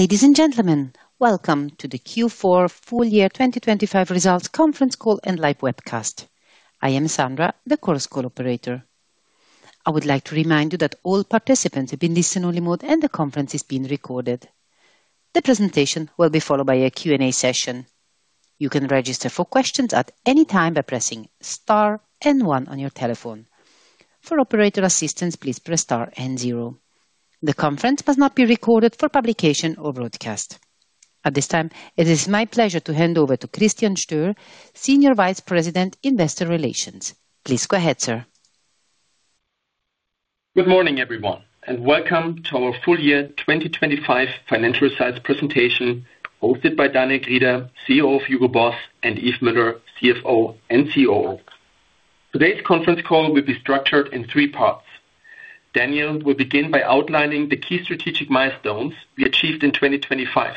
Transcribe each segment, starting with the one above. Ladies and gentlemen, welcome to the Q4 Full Year 2025 Results Conference Call and Live Webcast. I am Sandra, the Chorus Call operator. I would like to remind you that all participants have been placed in listen-only mode and the conference is being recorded. The presentation will be followed by a Q&A session. You can register for questions at any time by pressing star and one on your telephone. For operator assistance, please press star and zero. The conference must not be recorded for publication or broadcast. At this time, it is my pleasure to hand over to Christian Stöhr, Senior Vice President, Investor Relations. Please go ahead, sir. Good morning, everyone, and welcome to our Full Year 2025 Financial Results Presentation hosted by Daniel Grieder, CEO of Hugo Boss, and Yves Müller, CFO and COO. Today's conference call will be structured in three parts. Daniel will begin by outlining the key strategic milestones we achieved in 2025.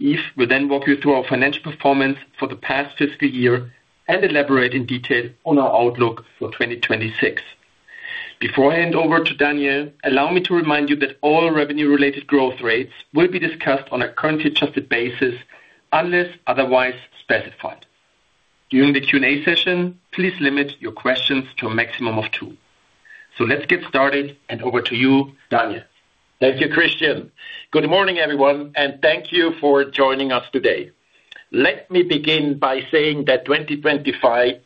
Yves will then walk you through our financial performance for the past fiscal year and elaborate in detail on our outlook for 2026. Before I hand over to Daniel, allow me to remind you that all revenue-related growth rates will be discussed on a currency adjusted basis unless otherwise specified. During the Q&A session, please limit your questions to a maximum of two. Let's get started, and over to you, Daniel. Thank you, Christian. Good morning, everyone, and thank you for joining us today. Let me begin by saying that 2025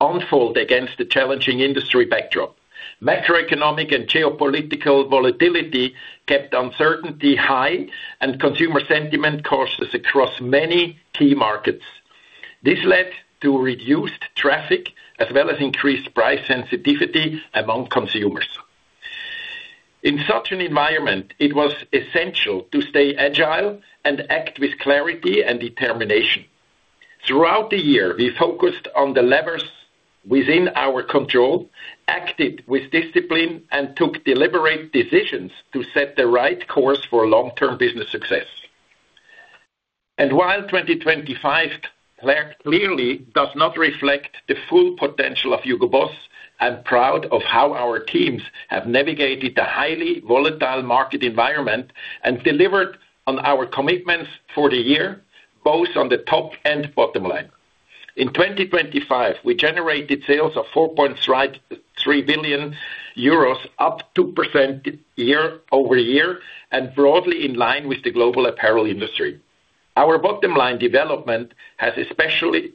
unfolded against the challenging industry backdrop. Macroeconomic and geopolitical volatility kept uncertainty high and consumer sentiment cautious across many key markets. This led to reduced traffic as well as increased price sensitivity among consumers. In such an environment, it was essential to stay agile and act with clarity and determination. Throughout the year, we focused on the levers within our control, acted with discipline, and took deliberate decisions to set the right course for long-term business success. While 2025 clearly does not reflect the full potential of Hugo Boss, I'm proud of how our teams have navigated the highly volatile market environment and delivered on our commitments for the year, both on the top and bottom line. In 2025, we generated sales of 4.3 billion euros, up 2% year-over-year, and broadly in line with the global apparel industry. Our bottom line development was especially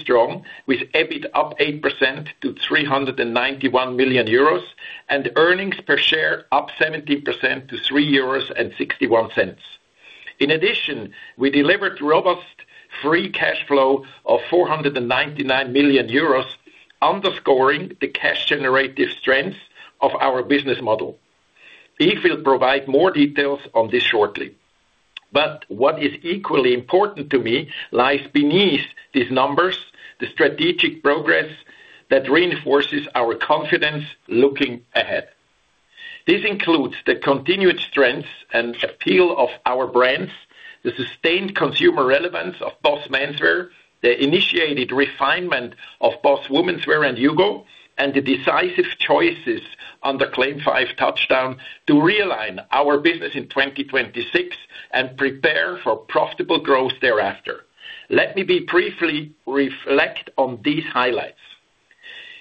strong with EBIT up 8% to 391 million euros and earnings per share up 17% to 3.61 euros. In addition, we delivered robust free cash flow of 499 million euros, underscoring the cash generative strength of our business model. Yves will provide more details on this shortly. What is equally important to me lies beneath these numbers, the strategic progress that reinforces our confidence looking ahead. This includes the continued strengths and appeal of our brands, the sustained consumer relevance of BOSS Menswear, the initiated refinement of BOSS Womenswear and HUGO, and the decisive choices on the CLAIM 5 touchdown to realign our business in 2026 and prepare for profitable growth thereafter. Let me briefly reflect on these highlights.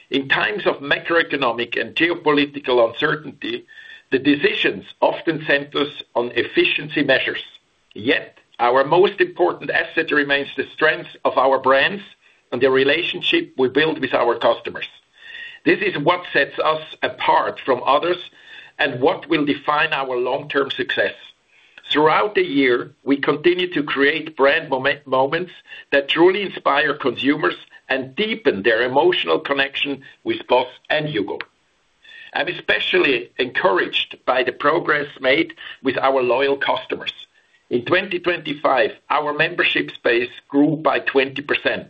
In times of macroeconomic and geopolitical uncertainty, the decision often centers on efficiency measures. Yet our most important asset remains the strength of our brands and the relationship we build with our customers. This is what sets us apart from others and what will define our long-term success. Throughout the year, we continue to create brand moments that truly inspire consumers and deepen their emotional connection with BOSS and HUGO. I'm especially encouraged by the progress made with our loyal customers. In 2025, our membership base grew by 20%.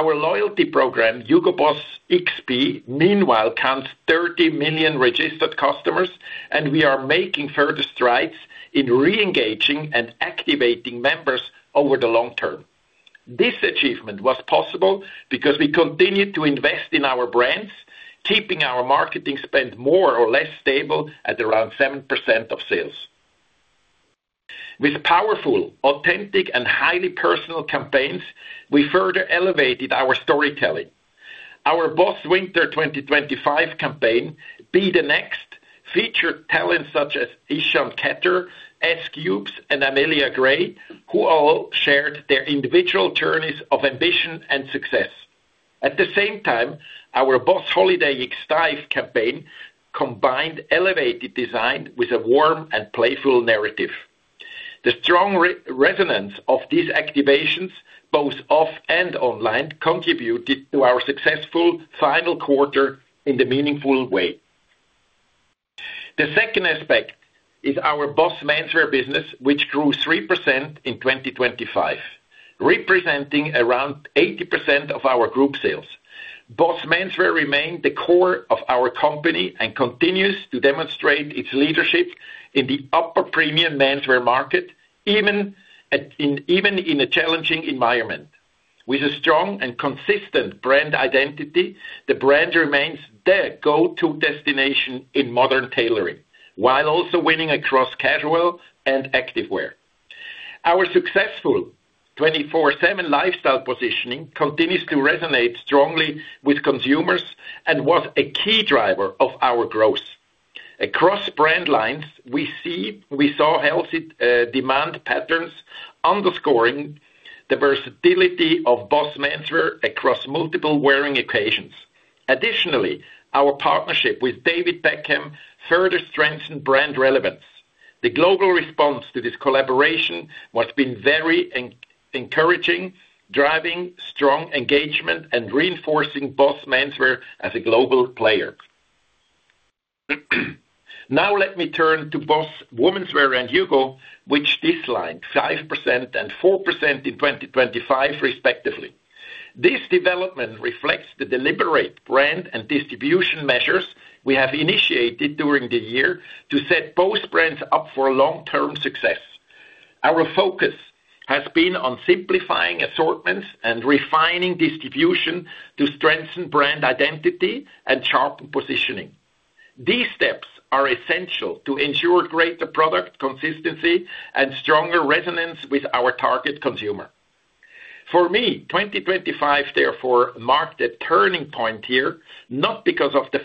Our loyalty program, HUGO BOSS XP, meanwhile counts 30 million registered customers, and we are making further strides in re-engaging and activating members over the long term. This achievement was possible because we continued to invest in our brands, keeping our marketing spend more or less stable at around 7% of sales. With powerful, authentic, and highly personal campaigns, we further elevated our storytelling. Our BOSS Winter 2025 campaign, Be the Next, featured talents such as Khaby Lame, S.Coups, and Amelia Gray, who all shared their individual journeys of ambition and success. At the same time, our BOSS holiday X Five campaign combined elevated design with a warm and playful narrative. The strong resonance of these activations, both off and online, contributed to our successful final quarter in a meaningful way. The second aspect is our BOSS Menswear business, which grew 3% in 2025, representing around 80% of our group sales. BOSS Menswear remained the core of our company and continues to demonstrate its leadership in the upper premium menswear market, even in a challenging environment. With a strong and consistent brand identity, the brand remains the go-to destination in modern tailoring, while also winning across casual and active wear. Our successful 24/7 lifestyle positioning continues to resonate strongly with consumers and was a key driver of our growth. Across brand lines, we saw healthy demand patterns underscoring the versatility of BOSS menswear across multiple wearing occasions. Additionally, our partnership with David Beckham further strengthened brand relevance. The global response to this collaboration has been very encouraging, driving strong engagement and reinforcing BOSS menswear as a global player. Now let me turn to BOSS Womenswear and HUGO, which declined 5% and 4% in 2025 respectively. This development reflects the deliberate brand and distribution measures we have initiated during the year to set both brands up for long-term success. Our focus has been on simplifying assortments and refining distribution to strengthen brand identity and sharpen positioning. These steps are essential to ensure greater product consistency and stronger resonance with our target consumer. For me, 2025 therefore marked a turning point here, not because of the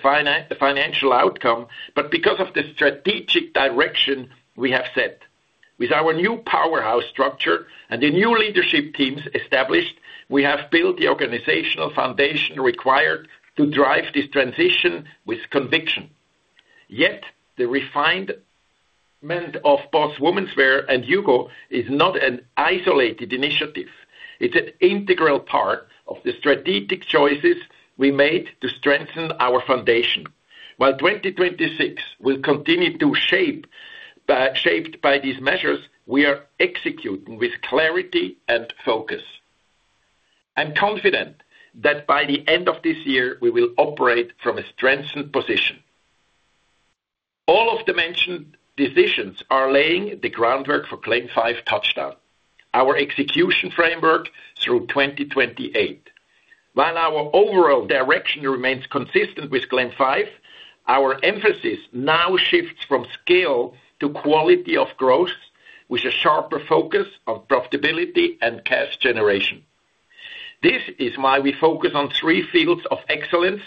financial outcome, but because of the strategic direction we have set. With our new powerhouse structure and the new leadership teams established, we have built the organizational foundation required to drive this transition with conviction. Yet, the refinement of BOSS Womenswear and HUGO is not an isolated initiative. It's an integral part of the strategic choices we made to strengthen our foundation. While 2026 will continue to be shaped by these measures, we are executing with clarity and focus. I'm confident that by the end of this year, we will operate from a strengthened position. All of the mentioned decisions are laying the groundwork for CLAIM 5 TOUCHDOWN, our execution framework through 2028. While our overall direction remains consistent with CLAIM 5, our emphasis now shifts from scale to quality of growth, with a sharper focus on profitability and cash generation. This is why we focus on three fields of excellence.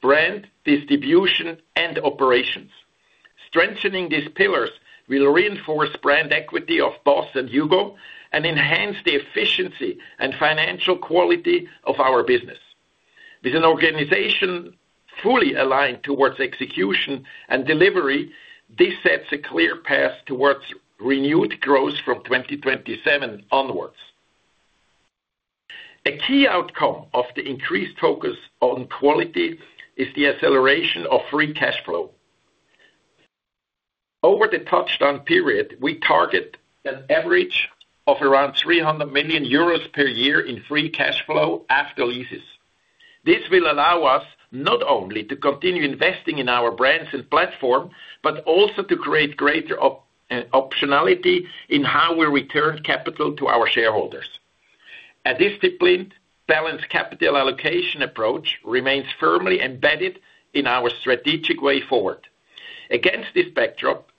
Brand, distribution, and operations. Strengthening these pillars will reinforce brand equity of BOSS and HUGO and enhance the efficiency and financial quality of our business. With an organization fully aligned towards execution and delivery, this sets a clear path towards renewed growth from 2027 onwards. A key outcome of the increased focus on quality is the acceleration of free cash flow. Over the Touchdown period, we target an average of around 300 million euros per year in free cash flow after leases. This will allow us not only to continue investing in our brands and platform, but also to create greater optionality in how we return capital to our shareholders. A disciplined, balanced capital allocation approach remains firmly embedded in our strategic way forward. Against this backdrop,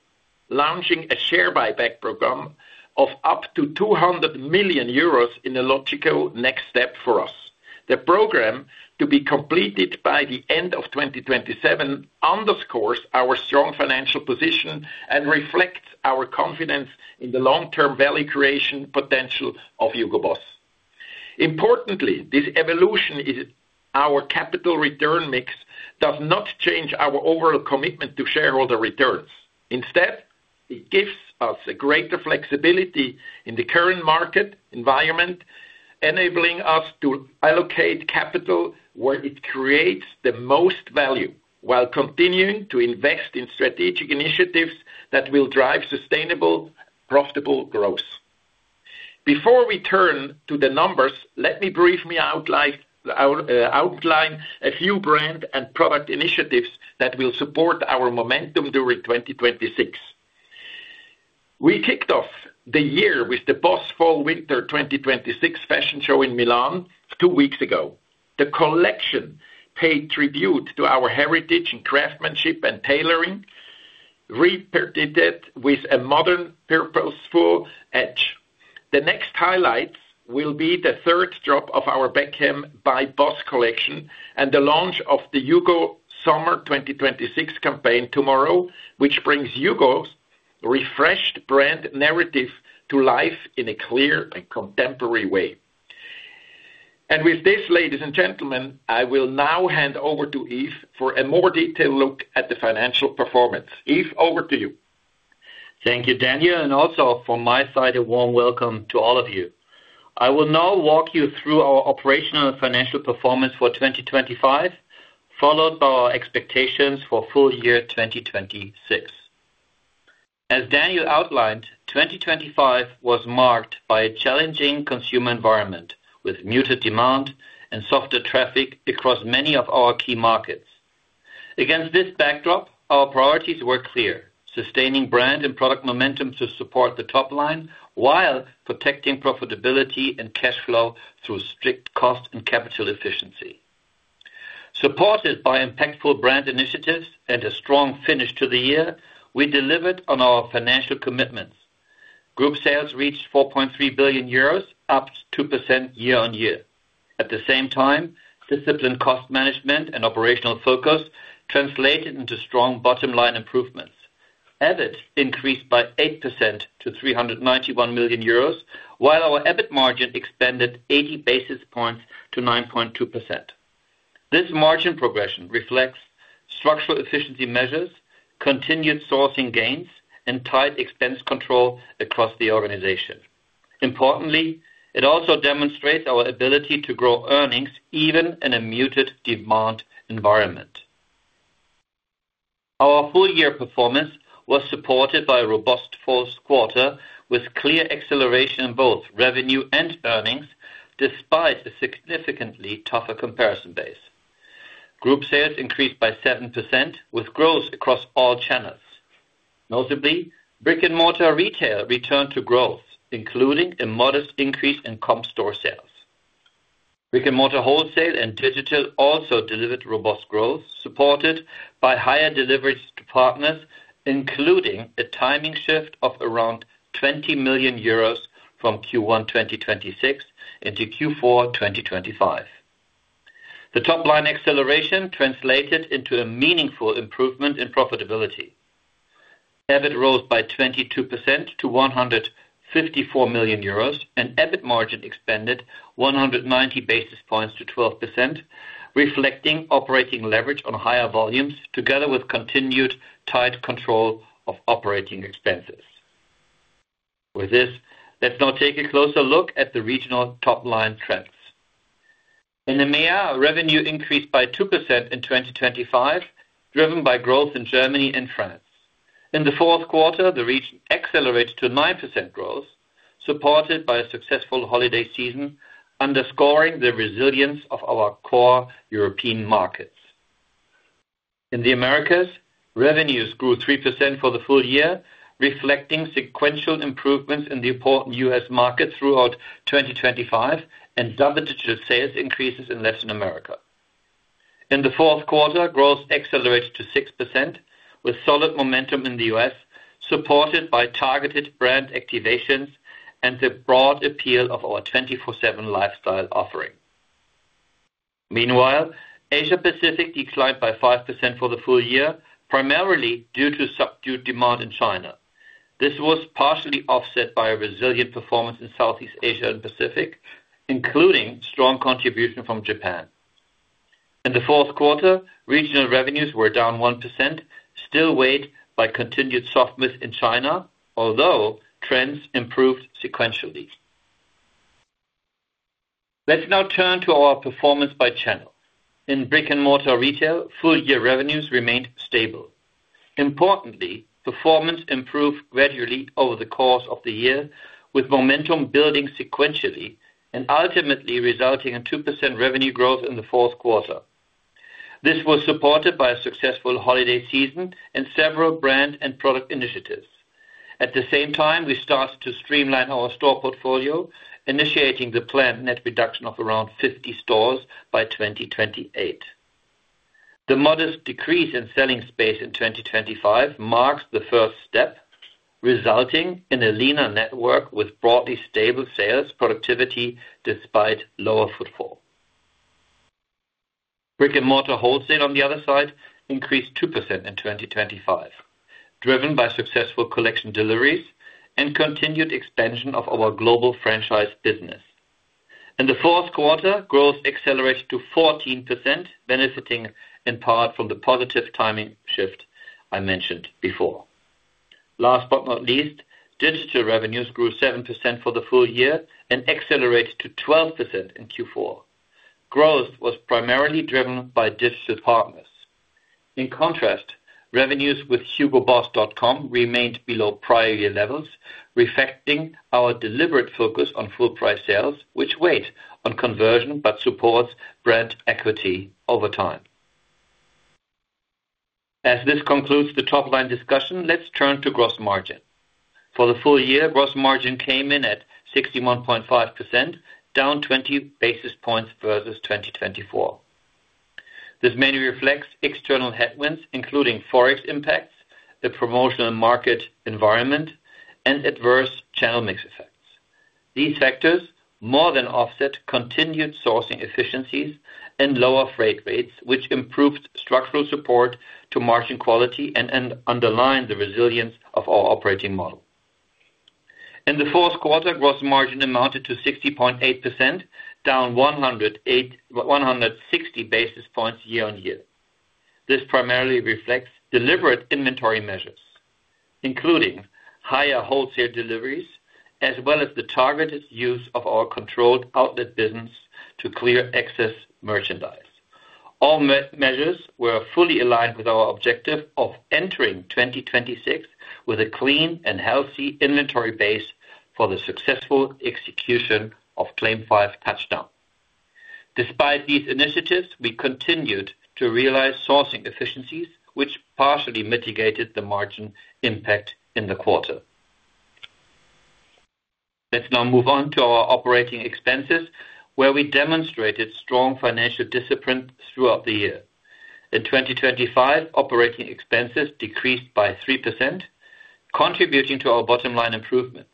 launching a share buyback program of up to 200 million euros is a logical next step for us. The program, to be completed by the end of 2027, underscores our strong financial position and reflects our confidence in the long-term value creation potential of Hugo Boss. Importantly, this evolution in our capital return mix does not change our overall commitment to shareholder returns. Instead, it gives us a greater flexibility in the current market environment, enabling us to allocate capital where it creates the most value, while continuing to invest in strategic initiatives that will drive sustainable, profitable growth. Before we turn to the numbers, let me briefly outline a few brand and product initiatives that will support our momentum during 2026. We kicked off the year with the BOSS fall/winter 2026 fashion show in Milan two weeks ago. The collection paid tribute to our heritage in craftsmanship and tailoring, reinterpreted with a modern, purposeful edge. The next highlights will be the third drop of our BOSS x Beckham collection and the launch of the HUGO summer 2026 campaign tomorrow, which brings HUGO's refreshed brand narrative to life in a clear and contemporary way. With this, ladies and gentlemen, I will now hand over to Yves for a more detailed look at the financial performance. Yves, over to you. Thank you, Daniel, and also from my side, a warm welcome to all of you. I will now walk you through our operational and financial performance for 2025, followed by our expectations for full year 2026. As Daniel outlined, 2025 was marked by a challenging consumer environment, with muted demand and softer traffic across many of our key markets. Against this backdrop, our priorities were clear, sustaining brand and product momentum to support the top line while protecting profitability and cash flow through strict cost and capital efficiency. Supported by impactful brand initiatives and a strong finish to the year, we delivered on our financial commitments. Group sales reached 4.3 billion euros, up 2% year-on-year. At the same time, disciplined cost management and operational focus translated into strong bottom-line improvements. EBIT increased by 8% to 391 million euros, while our EBIT margin expanded 80 basis points to 9.2%. This margin progression reflects structural efficiency measures, continued sourcing gains, and tight expense control across the organization. Importantly, it also demonstrates our ability to grow earnings even in a muted demand environment. Our full-year performance was supported by a robust fourth quarter with clear acceleration in both revenue and earnings, despite a significantly tougher comparison base. Group sales increased by 7% with growth across all channels. Notably, brick-and-mortar retail returned to growth, including a modest increase in comp store sales. Brick-and-mortar wholesale and digital also delivered robust growth, supported by higher deliveries to partners, including a timing shift of around 20 million euros from Q1 2026 into Q4 2025. The top-line acceleration translated into a meaningful improvement in profitability. EBIT rose by 22% to 154 million euros, and EBIT margin expanded 190 basis points to 12%, reflecting operating leverage on higher volumes together with continued tight control of operating expenses. With this, let's now take a closer look at the regional top-line trends. In EMEA, revenue increased by 2% in 2025, driven by growth in Germany and France. In the fourth quarter, the region accelerated to 9% growth, supported by a successful holiday season, underscoring the resilience of our core European markets. In the Americas, revenues grew 3% for the full year, reflecting sequential improvements in the important U.S. market throughout 2025 and double-digit sales increases in Latin America. In the fourth quarter, growth accelerated to 6% with solid momentum in the U.S., supported by targeted brand activations and the broad appeal of our 24/7 lifestyle offering. Meanwhile, Asia Pacific declined by 5% for the full year, primarily due to subdued demand in China. This was partially offset by a resilient performance in Southeast Asia and Pacific, including strong contribution from Japan. In the fourth quarter, regional revenues were down 1%, still weighed by continued softness in China, although trends improved sequentially. Let's now turn to our performance by channel. In brick-and-mortar retail, full-year revenues remained stable. Importantly, performance improved gradually over the course of the year, with momentum building sequentially and ultimately resulting in 2% revenue growth in the fourth quarter. This was supported by a successful holiday season and several brand and product initiatives. At the same time, we started to streamline our store portfolio, initiating the planned net reduction of around 50 stores by 2028. The modest decrease in selling space in 2025 marks the first step, resulting in a leaner network with broadly stable sales productivity despite lower footfall. Brick-and-mortar wholesale, on the other side, increased 2% in 2025, driven by successful collection deliveries and continued expansion of our global franchise business. In the fourth quarter, growth accelerated to 14%, benefiting in part from the positive timing shift I mentioned before. Last but not least, digital revenues grew 7% for the full year and accelerated to 12% in Q4. Growth was primarily driven by digital partners. In contrast, revenues with hugoboss.com remained below prior year levels, reflecting our deliberate focus on full price sales, which weighs on conversion but supports brand equity over time. As this concludes the top-line discussion, let's turn to gross margin. For the full year, gross margin came in at 61.5%, down 20 basis points versus 2024. This mainly reflects external headwinds, including Forex impacts, the promotional market environment, and adverse channel mix effects. These factors more than offset continued sourcing efficiencies and lower freight rates, which improved structural support to margin quality and underlined the resilience of our operating model. In the fourth quarter, gross margin amounted to 60.8%, down 160 basis points year-on-year. This primarily reflects deliberate inventory measures, including higher wholesale deliveries as well as the targeted use of our controlled outlet business to clear excess merchandise. All measures were fully aligned with our objective of entering 2026 with a clean and healthy inventory base for the successful execution of CLAIM 5 TOUCHDOWN. Despite these initiatives, we continued to realize sourcing efficiencies, which partially mitigated the margin impact in the quarter. Let's now move on to our operating expenses, where we demonstrated strong financial discipline throughout the year. In 2025, operating expenses decreased by 3%, contributing to our bottom-line improvements.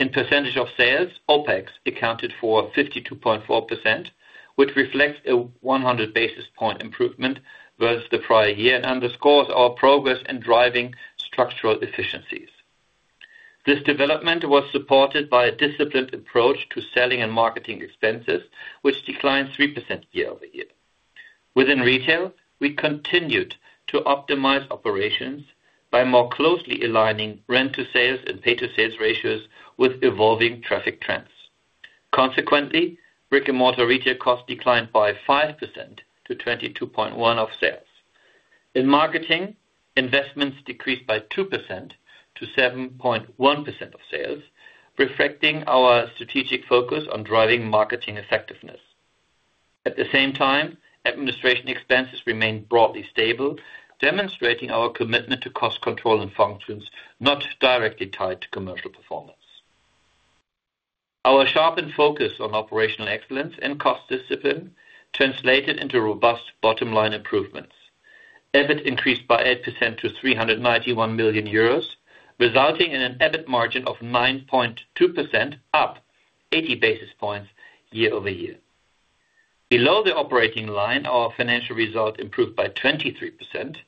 In percentage of sales, OpEx accounted for 52.4%, which reflects a 100 basis point improvement versus the prior year and underscores our progress in driving structural efficiencies. This development was supported by a disciplined approach to selling and marketing expenses, which declined 3% year-over-year. Within retail, we continued to optimize operations by more closely aligning rent to sales and pay to sales ratios with evolving traffic trends. Consequently, brick-and-mortar retail costs declined by 5%-22.1% of sales. In marketing, investments decreased by 2%-7.1% of sales, reflecting our strategic focus on driving marketing effectiveness. At the same time, administration expenses remained broadly stable, demonstrating our commitment to cost control and functions not directly tied to commercial performance. Our sharpened focus on operational excellence and cost discipline translated into robust bottom-line improvements. EBIT increased by 8% to 391 million euros, resulting in an EBIT margin of 9.2%, up 80 basis points year-over-year. Below the operating line, our financial results improved by 23%,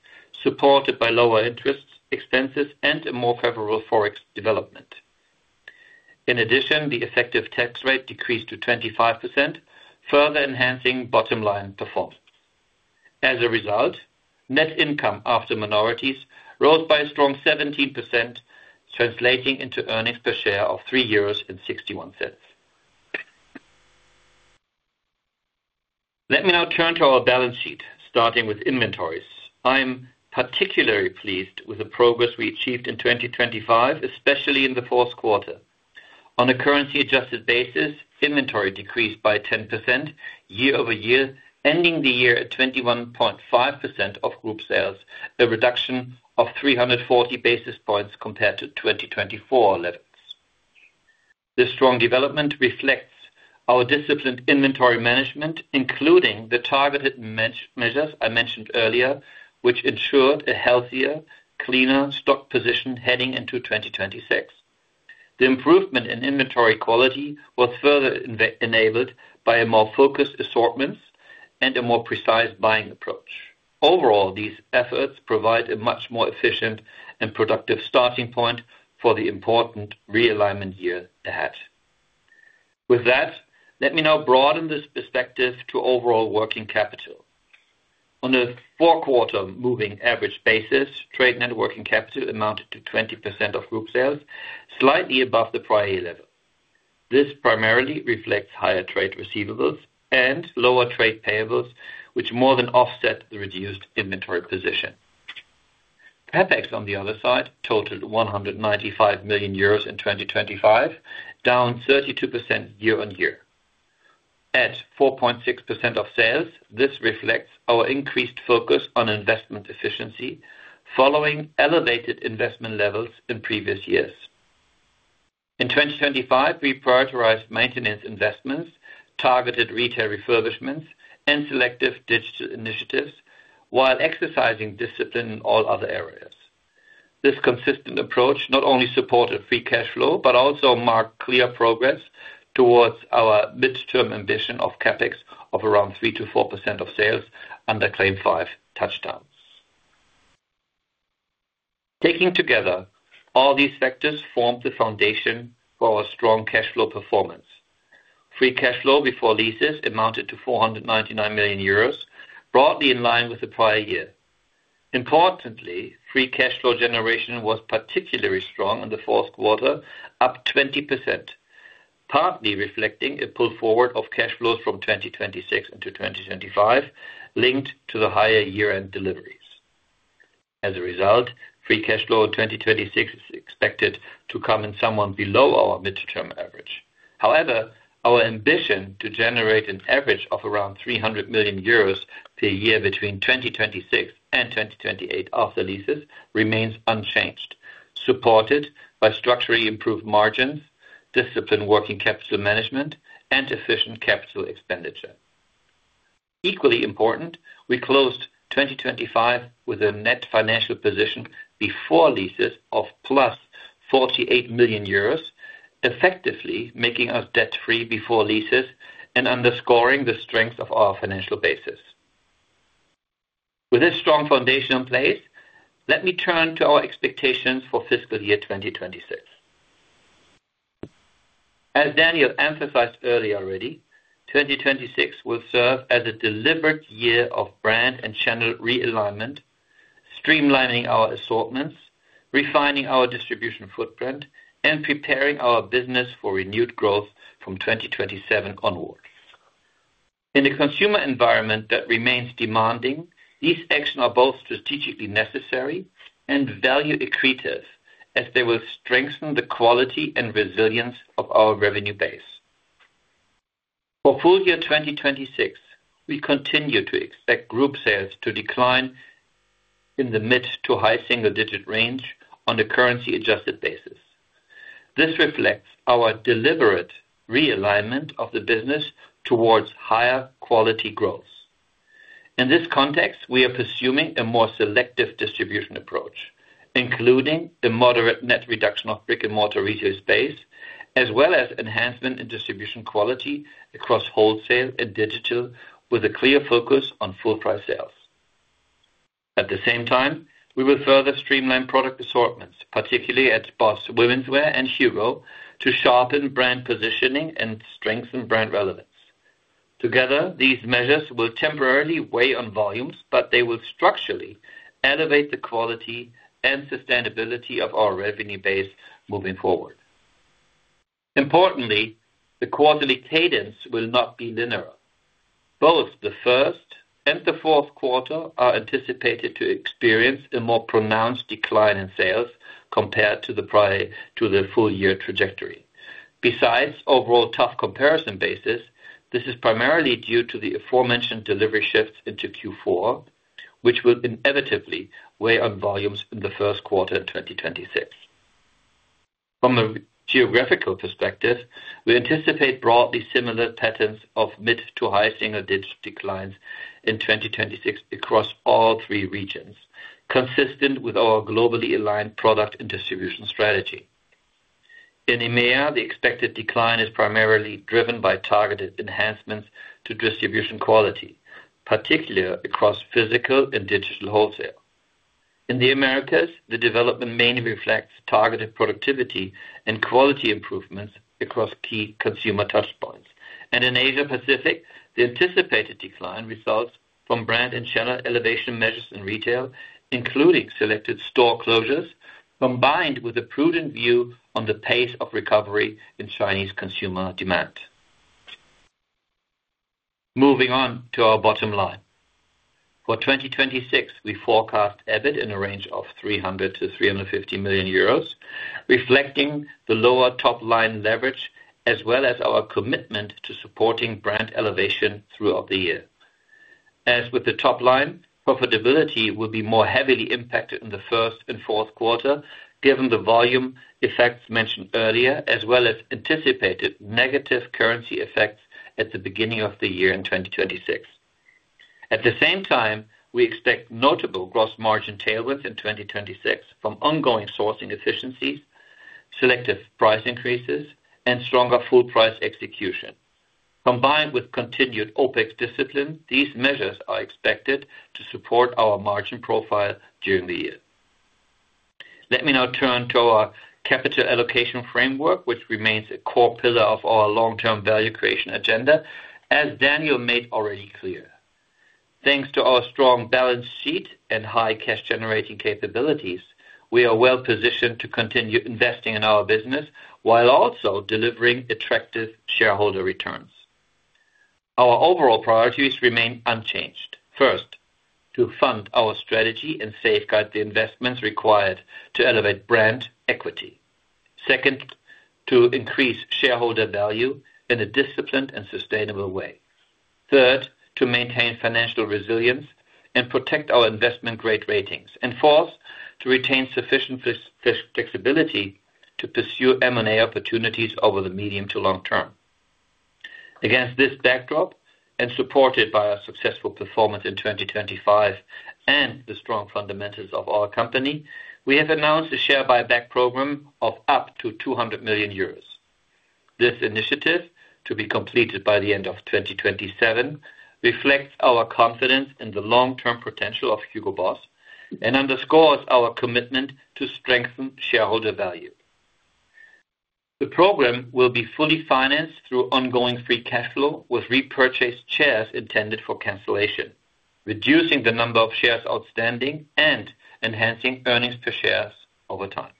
supported by lower interest expenses and a more favorable Forex development. In addition, the effective tax rate decreased to 25%, further enhancing bottom-line performance. As a result, net income after minorities rose by a strong 17%, translating into earnings per share of 3.61 euros. Let me now turn to our balance sheet, starting with inventories. I am particularly pleased with the progress we achieved in 2025, especially in the fourth quarter. On a currency-adjusted basis, inventory decreased by 10% year-over-year, ending the year at 21.5% of group sales, a reduction of 340 basis points compared to 2024 levels. This strong development reflects our disciplined inventory management, including the targeted measures I mentioned earlier, which ensured a healthier, cleaner stock position heading into 2026. The improvement in inventory quality was further enabled by a more focused assortments and a more precise buying approach. Overall, these efforts provide a much more efficient and productive starting point for the important realignment year ahead. With that, let me now broaden this perspective to overall working capital. On a four quarter moving average basis, trade net working capital amounted to 20% of group sales, slightly above the prior year level. This primarily reflects higher trade receivables and lower trade payables, which more than offset the reduced inventory position. CapEx, on the other side, totaled 195 million euros in 2025, down 32% year-on-year. At 4.6% of sales, this reflects our increased focus on investment efficiency following elevated investment levels in previous years. In 2025, we prioritized maintenance investments, targeted retail refurbishments, and selective digital initiatives while exercising discipline in all other areas. This consistent approach not only supported free cash flow, but also marked clear progress towards our midterm ambition of CapEx of around 3%-4% of sales under CLAIM 5 TOUCHDOWN. Taking together, all these factors form the foundation for our strong cash flow performance. Free cash flow before leases amounted to 499 million euros, broadly in line with the prior year. Importantly, free cash flow generation was particularly strong in the fourth quarter, up 20%, partly reflecting a pull forward of cash flows from 2026 into 2025 linked to the higher year-end deliveries. As a result, free cash flow in 2026 is expected to come in somewhat below our midterm average. However, our ambition to generate an average of around 300 million euros per year between 2026 and 2028 after leases remains unchanged, supported by structurally improved margins, disciplined working capital management, and efficient capital expenditure. Equally important, we closed 2025 with a net financial position before leases of +48 million euros, effectively making us debt-free before leases and underscoring the strength of our financial basis. With this strong foundation in place, let me turn to our expectations for fiscal year 2026. As Daniel emphasized earlier already, 2026 will serve as a deliberate year of brand and channel realignment, streamlining our assortments, refining our distribution footprint, and preparing our business for renewed growth from 2027 onwards. In a consumer environment that remains demanding, these actions are both strategically necessary and value accretive. As they will strengthen the quality and resilience of our revenue base. For full year 2026, we continue to expect group sales to decline in the mid- to high-single-digit range on a currency-adjusted basis. This reflects our deliberate realignment of the business towards higher quality growth. In this context, we are pursuing a more selective distribution approach, including the moderate net reduction of brick-and-mortar retail space, as well as enhancement in distribution quality across wholesale and digital, with a clear focus on full price sales. At the same time, we will further streamline product assortments, particularly at BOSS Womenswear and HUGO, to sharpen brand positioning and strengthen brand relevance. Together, these measures will temporarily weigh on volumes, but they will structurally elevate the quality and sustainability of our revenue base moving forward. Importantly, the quarterly cadence will not be linear. Both the first and the fourth quarter are anticipated to experience a more pronounced decline in sales compared to the full year trajectory. Besides overall tough comparison basis, this is primarily due to the aforementioned delivery shifts into Q4, which will inevitably weigh on volumes in the first quarter in 2026. From a geographical perspective, we anticipate broadly similar patterns of mid- to high-single-digit declines in 2026 across all three regions, consistent with our globally aligned product and distribution strategy. In EMEA, the expected decline is primarily driven by targeted enhancements to distribution quality, particularly across physical and digital wholesale. In the Americas, the development mainly reflects targeted productivity and quality improvements across key consumer touch points. In Asia Pacific, the anticipated decline results from brand and channel elevation measures in retail, including selected store closures, combined with a prudent view on the pace of recovery in Chinese consumer demand. Moving on to our bottom line. For 2026, we forecast EBIT in a range of 300 million-350 million euros, reflecting the lower top line leverage as well as our commitment to supporting brand elevation throughout the year. As with the top line, profitability will be more heavily impacted in the first and fourth quarter, given the volume effects mentioned earlier, as well as anticipated negative currency effects at the beginning of the year in 2026. At the same time, we expect notable gross margin tailwinds in 2026 from ongoing sourcing efficiencies, selective price increases and stronger full price execution. Combined with continued OpEx discipline, these measures are expected to support our margin profile during the year. Let me now turn to our capital allocation framework, which remains a core pillar of our long-term value creation agenda, as Daniel made already clear. Thanks to our strong balance sheet and high cash generating capabilities, we are well-positioned to continue investing in our business while also delivering attractive shareholder returns. Our overall priorities remain unchanged. First, to fund our strategy and safeguard the investments required to elevate brand equity. Second, to increase shareholder value in a disciplined and sustainable way. Third, to maintain financial resilience and protect our investment-grade ratings. Fourth, to retain sufficient financial flexibility to pursue M&A opportunities over the medium to long term. Against this backdrop, and supported by our successful performance in 2025 and the strong fundamentals of our company, we have announced a share buyback program of up to 200 million euros. This initiative, to be completed by the end of 2027, reflects our confidence in the long-term potential of Hugo Boss and underscores our commitment to strengthen shareholder value. The program will be fully financed through ongoing free cash flow with repurchased shares intended for cancellation, reducing the number of shares outstanding and enhancing earnings per share over time.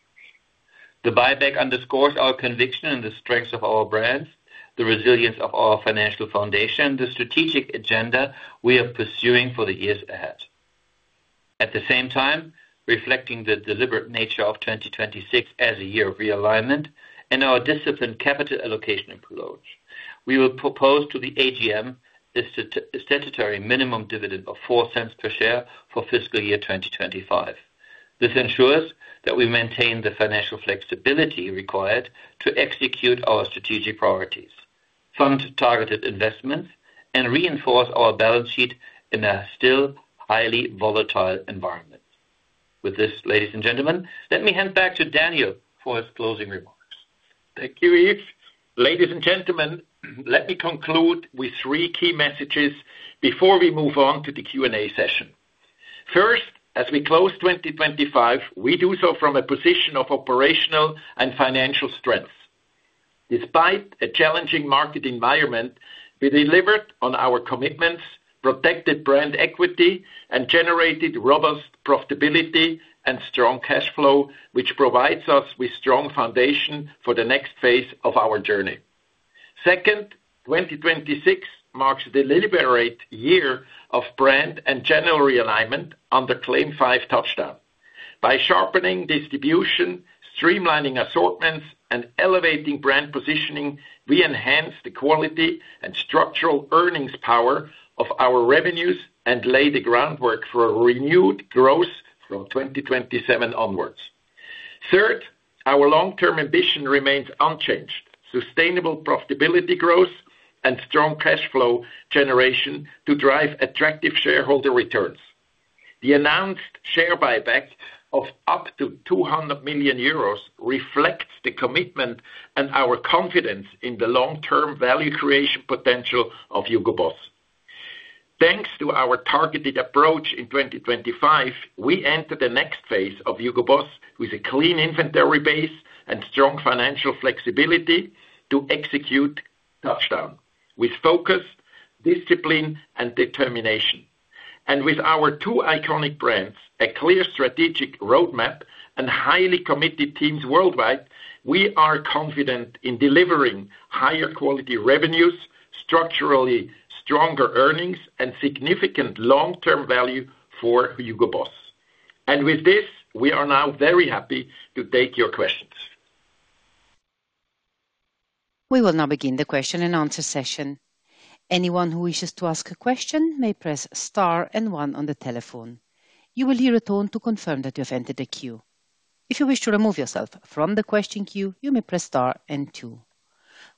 The buyback underscores our conviction in the strength of our brands, the resilience of our financial foundation, the strategic agenda we are pursuing for the years ahead. At the same time, reflecting the deliberate nature of 2026 as a year of realignment and our disciplined capital allocation approach, we will propose to the AGM a statutory minimum dividend of 0.04 per share for fiscal year 2025. This ensures that we maintain the financial flexibility required to execute our strategic priorities, fund targeted investments, and reinforce our balance sheet in a still highly volatile environment. With this, ladies and gentlemen, let me hand back to Daniel for his closing remarks. Thank you, Yves. Ladies and gentlemen, let me conclude with three key messages before we move on to the Q&A session. First, as we close 2025, we do so from a position of operational and financial strength. Despite a challenging market environment, we delivered on our commitments, protected brand equity, and generated robust profitability and strong cash flow, which provides us with strong foundation for the next phase of our journey. Second, 2026 marks the deliberate year of brand and general realignment on the CLAIM 5 TOUCHDOWN. By sharpening distribution, streamlining assortments, and elevating brand positioning, we enhance the quality and structural earnings power of our revenues and lay the groundwork for a renewed growth from 2027 onwards. Third, our long-term ambition remains unchanged. Sustainable profitability growth and strong cash flow generation to drive attractive shareholder returns. The announced share buyback of up to 200 million euros reflects the commitment and our confidence in the long-term value creation potential of Hugo Boss. Thanks to our targeted approach in 2025, we enter the next phase of Hugo Boss with a clean inventory base and strong financial flexibility to execute touchdown with focus, discipline, and determination. With our two iconic brands, a clear strategic roadmap, and highly committed teams worldwide, we are confident in delivering higher quality revenues, structurally stronger earnings, and significant long-term value for Hugo Boss. With this, we are now very happy to take your questions. We will now begin the question and answer session. Anyone who wishes to ask a question may press star and one on the telephone. You will hear a tone to confirm that you have entered the queue. If you wish to remove yourself from the question queue, you may press star and two.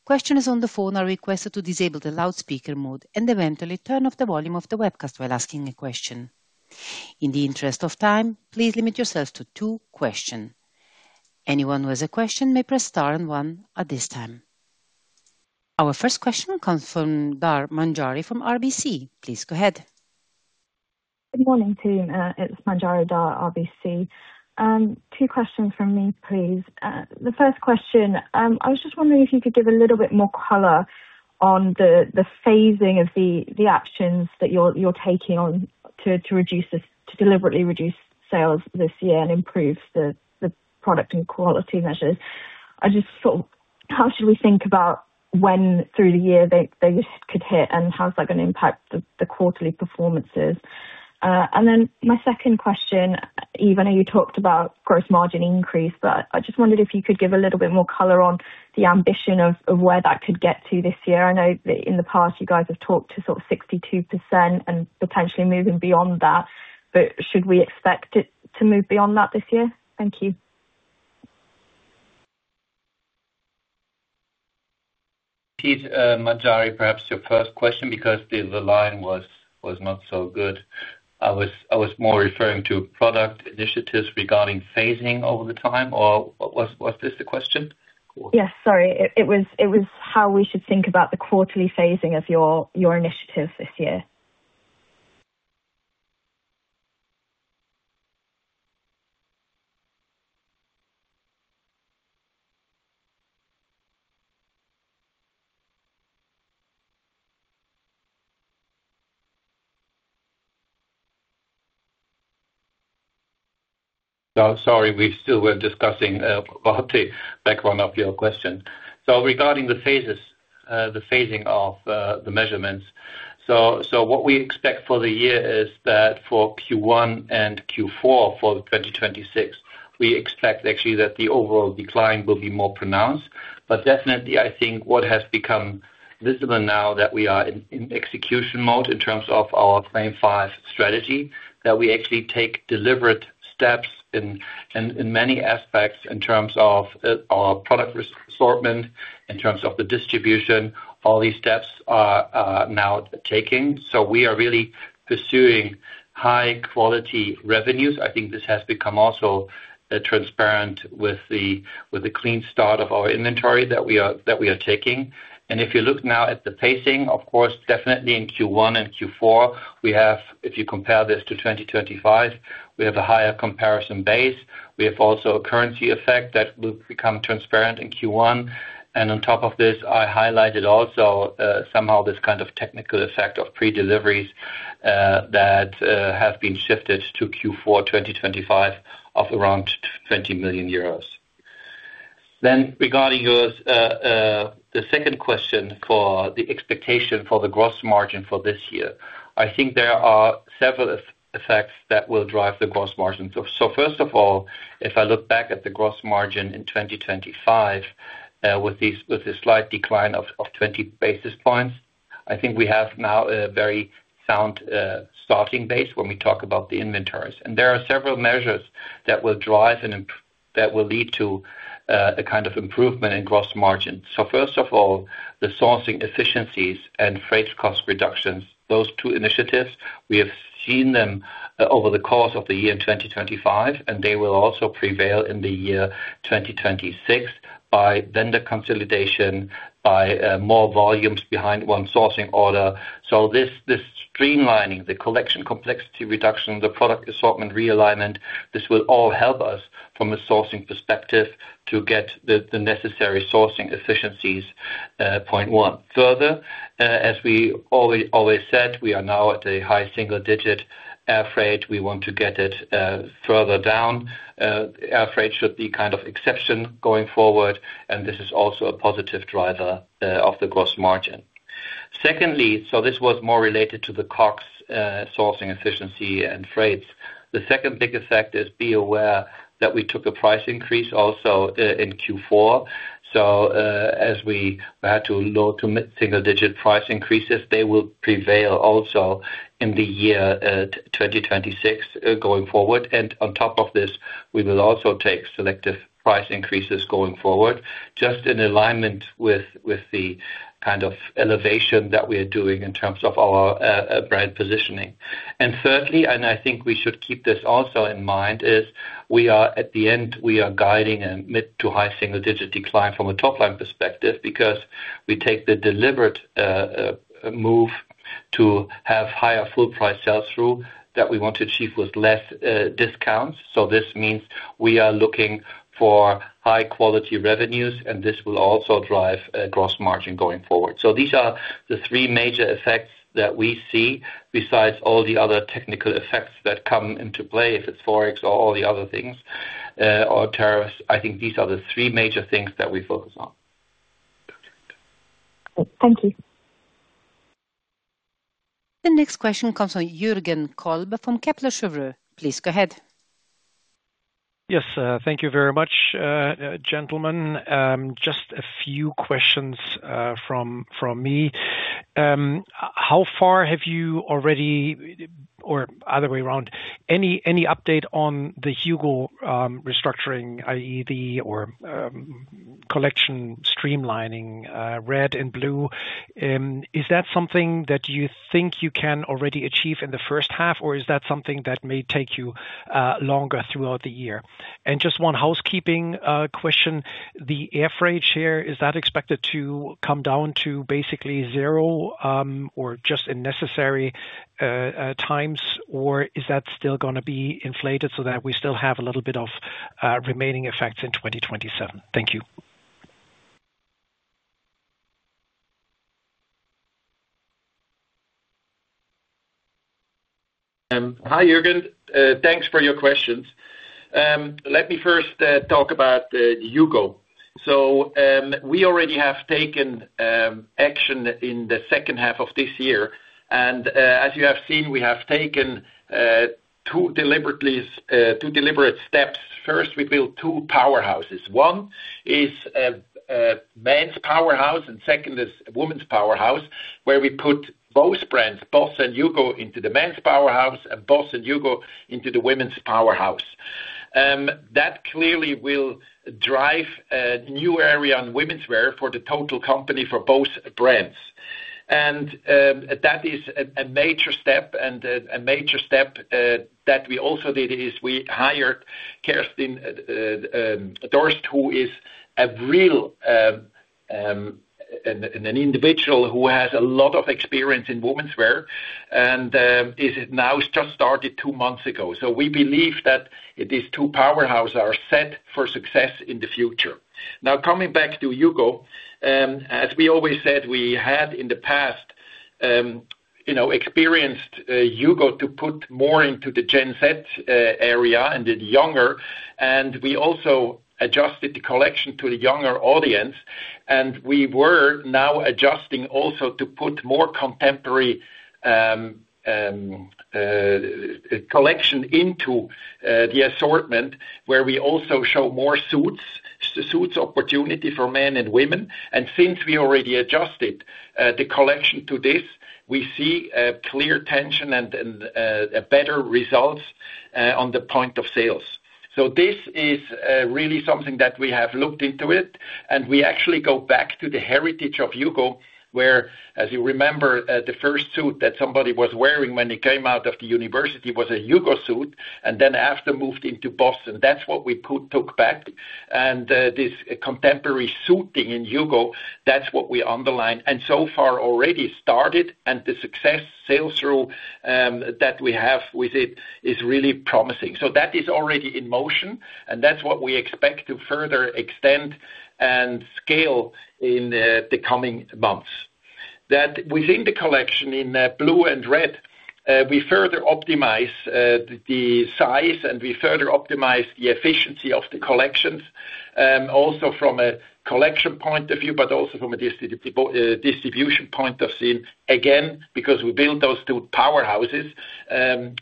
Questioners on the phone are requested to disable the loudspeaker mode and eventually turn off the volume of the webcast while asking a question. In the interest of time, please limit yourself to two questions. Anyone who has a question may press star and one at this time. Our first question comes from Manjari Dhar from RBC. Please go ahead. Good morning, team. It's Manjari Dhar, RBC. Two questions from me, please. The first question, I was just wondering if you could give a little bit more color on the phasing of the actions that you're taking to deliberately reduce sales this year and improve the product and quality measures. I just thought, how should we think about when through the year they could hit, and how is that gonna impact the quarterly performances? My second question, Yves, I just wondered if you could give a little bit more color on the ambition of where that could get to this year. I know that in the past you guys have talked to sort of 62% and potentially moving beyond that, but should we expect it to move beyond that this year? Thank you. Repeat, Manjari, perhaps your first question because the line was not so good. I was more referring to product initiatives regarding phasing over time, or was this the question? Yes, sorry. It was how we should think about the quarterly phasing of your initiatives this year. We still were discussing about the background of your question. Regarding the phases, the phasing of the measurements. What we expect for the year is that for Q1 and Q4 for 2026, we expect actually that the overall decline will be more pronounced. Definitely I think what has become visible now that we are in execution mode in terms of our CLAIM 5 strategy, that we actually take deliberate steps in many aspects in terms of our product assortment, in terms of the distribution, all these steps are now taking. We are really pursuing high quality revenues. I think this has become also transparent with the clean start of our inventory that we are taking. If you look now at the pacing, of course, definitely in Q1 and Q4 we have, if you compare this to 2025, we have a higher comparison base. We have also a currency effect that will become transparent in Q1. On top of this, I highlighted also somehow this kind of technical effect of pre-deliveries that have been shifted to Q4 2025 of around 20 million euros. Regarding your second question for the expectation for the gross margin for this year. I think there are several effects that will drive the gross margin. So first of all, if I look back at the gross margin in 2025 with this slight decline of 20 basis points, I think we have now a very sound starting base when we talk about the inventories. There are several measures that will lead to a kind of improvement in gross margin. First of all, the sourcing efficiencies and freight cost reductions. Those two initiatives, we have seen them over the course of the year in 2025, and they will also prevail in the year 2026 by vendor consolidation, by more volumes behind one sourcing order. This streamlining, the collection complexity reduction, the product assortment realignment, this will all help us from a sourcing perspective to get the necessary sourcing efficiencies, point one. Further, as we always said, we are now at a high single-digit air freight. We want to get it further down. Air freight should be kind of exception going forward, and this is also a positive driver of the gross margin. Secondly, this was more related to the COGS, sourcing efficiency and freights. The second big effect is be aware that we took a price increase also in Q4. As we had low to mid-single digit price increases, they will prevail also in the year 2026 going forward. On top of this, we will also take selective price increases going forward just in alignment with the kind of elevation that we are doing in terms of our brand positioning. Thirdly, and I think we should keep this also in mind, is we are guiding a mid to high single digit decline from a top line perspective because we take the deliberate move to have higher full price sell-through that we want to achieve with less discounts. This means we are looking for high quality revenues, and this will also drive gross margin going forward. These are the three major effects that we see besides all the other technical effects that come into play, if it's Forex or all the other things, or tariffs. I think these are the three major things that we focus on. Thank you. The next question comes from Jürgen Kolb from Kepler Cheuvreux. Please go ahead. Yes, thank you very much, gentlemen. Just a few questions from me. How far have you already, any update on the HUGO restructuring, i.e., collection streamlining, HUGO Red and HUGO BLUE? Is that something that you think you can already achieve in the first half, or is that something that may take you longer throughout the year? Just one housekeeping question. The air freight share, is that expected to come down to basically zero, or just in necessary times, or is that still gonna be inflated so that we still have a little bit of remaining effects in 2027? Thank you. Hi, Jürgen. Thanks for your questions. Let me first talk about Hugo. We already have taken action in the second half of this year. As you have seen, we have taken two deliberate steps. First, we built two powerhouses. One is a men's powerhouse, and second is a women's powerhouse, where we put both brands, BOSS and HUGO, into the men's powerhouse and BOSS and HUGO into the women's powerhouse. That clearly will drive a new era on womenswear for the total company for both brands. That is a major step. A major step that we also did is we hired Kerstin Dorst, who is a real individual who has a lot of experience in womenswear and is now just started two months ago. We believe that these two powerhouse are set for success in the future. Now coming back to HUGO, as we always said, we had in the past, you know, experienced HUGO to put more into the Gen Z area and the younger, and we also adjusted the collection to the younger audience, and we were now adjusting also to put more contemporary collection into the assortment, where we also show more suits opportunity for men and women. Since we already adjusted the collection to this, we see a clear intention and a better results at the points of sale. This is really something that we have looked into, and we actually go back to the heritage of Hugo, where, as you remember, the first suit that somebody was wearing when they came out of the university was a Hugo suit, and then after moved into Boss. That's what we took back. This contemporary suiting in Hugo, that's what we underline, and so far already started, and the successful sales through that we have with it is really promising. That is already in motion, and that's what we expect to further extend and scale in the coming months. That within the collection in Blue and Red, we further optimize the size, and we further optimize the efficiency of the collections, also from a collection point of view, but also from a distribution point of view. Again, because we build those two powerhouses,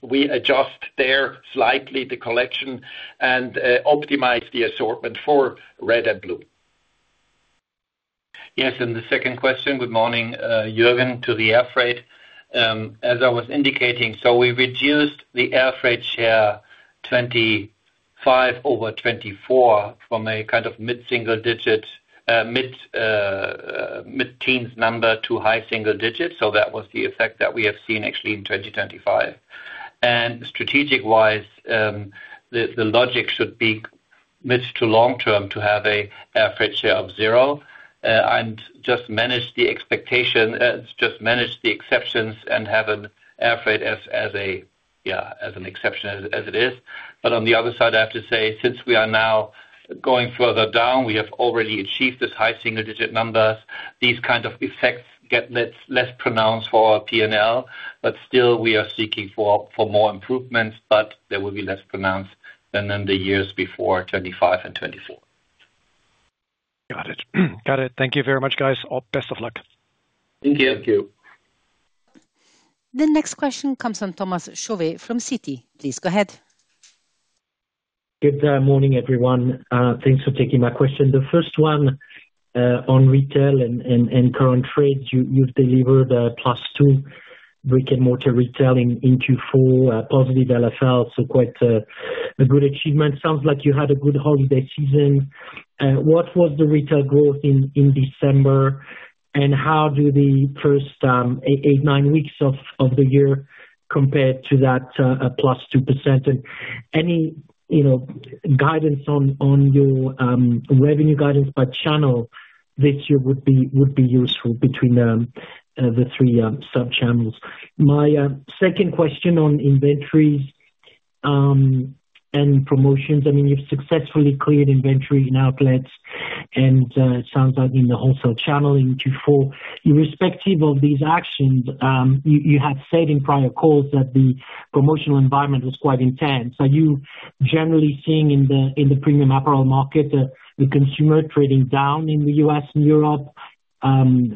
we adjust there slightly the collection and optimize the assortment for Red and Blue. Yes, the second question, good morning, Jürgen, to the air freight. As I was indicating, we reduced the air freight share 2025 over 2024 from a kind of mid-teens number to high single digits%. That was the effect that we have seen actually in 2025. Strategic-wise, the logic should be mid- to long-term to have an air freight share of zero, and just manage the exceptions and have air freight as an exception as it is. On the other side, I have to say since we are now going further down, we have already achieved this high single-digit numbers. These kind of effects get less pronounced for our P&L, but still we are seeking for more improvements, but they will be less pronounced than in the years before, 2025 and 2024. Got it. Thank you very much, guys. All best of luck. Thank you. Thank you. The next question comes from Thomas Chauvet from Citi. Please go ahead. Good morning, everyone. Thanks for taking my question. The first one on retail and current trade. You've delivered +2% brick-and-mortar retailing into full positive LFL, so quite a good achievement. Sounds like you had a good holiday season. What was the retail growth in December, and how do the first eight or nine weeks of the year compare to that +2%? Any, you know, guidance on your revenue guidance by channel this year would be useful between the three sub-channels. My second question on inventories and promotions. I mean, you've successfully cleared inventory in outlets and it sounds like in the wholesale channel in Q4. Irrespective of these actions, you had said in prior calls that the promotional environment was quite intense. Are you generally seeing in the premium apparel market the consumer trading down in the U.S. and Europe,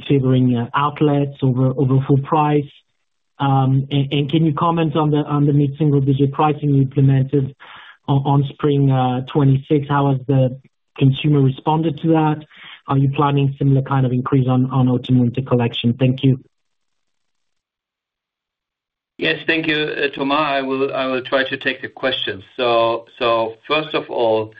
favoring outlets over full price? And can you comment on the mid-single-digit pricing you implemented on spring 2026? How has the consumer responded to that? Are you planning similar kind of increase on autumn-winter collection? Thank you. Yes. Thank you, Thomas. I will try to take the question. First of all,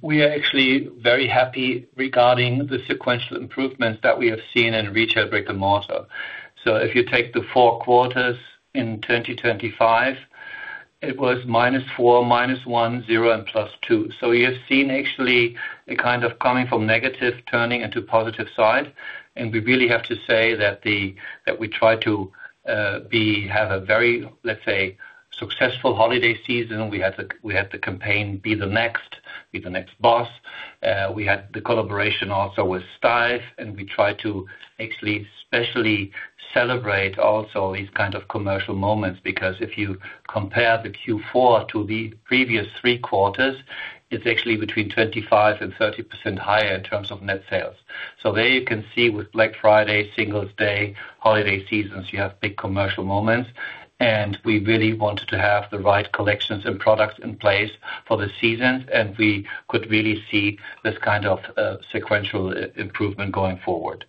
we are actually very happy regarding the sequential improvements that we have seen in retail brick-and-mortar. If you take the four quarters in 2025, it was -4%, -1%, 0% and +2%. You have seen actually a kind of coming from negative turning into positive side. We really have to say that we try to have a very, let's say, successful holiday season. We had the campaign Be the Next Boss. We had the collaboration also with Stüssy, and we try to actually specially celebrate also these kind of commercial moments. Because if you compare the Q4 to the previous three quarters, it's actually between 25% and 30% higher in terms of net sales. There you can see with Black Friday, Singles Day, holiday seasons, you have big commercial moments. We really wanted to have the right collections and products in place for the seasons, and we could really see this kind of sequential improvement going forward.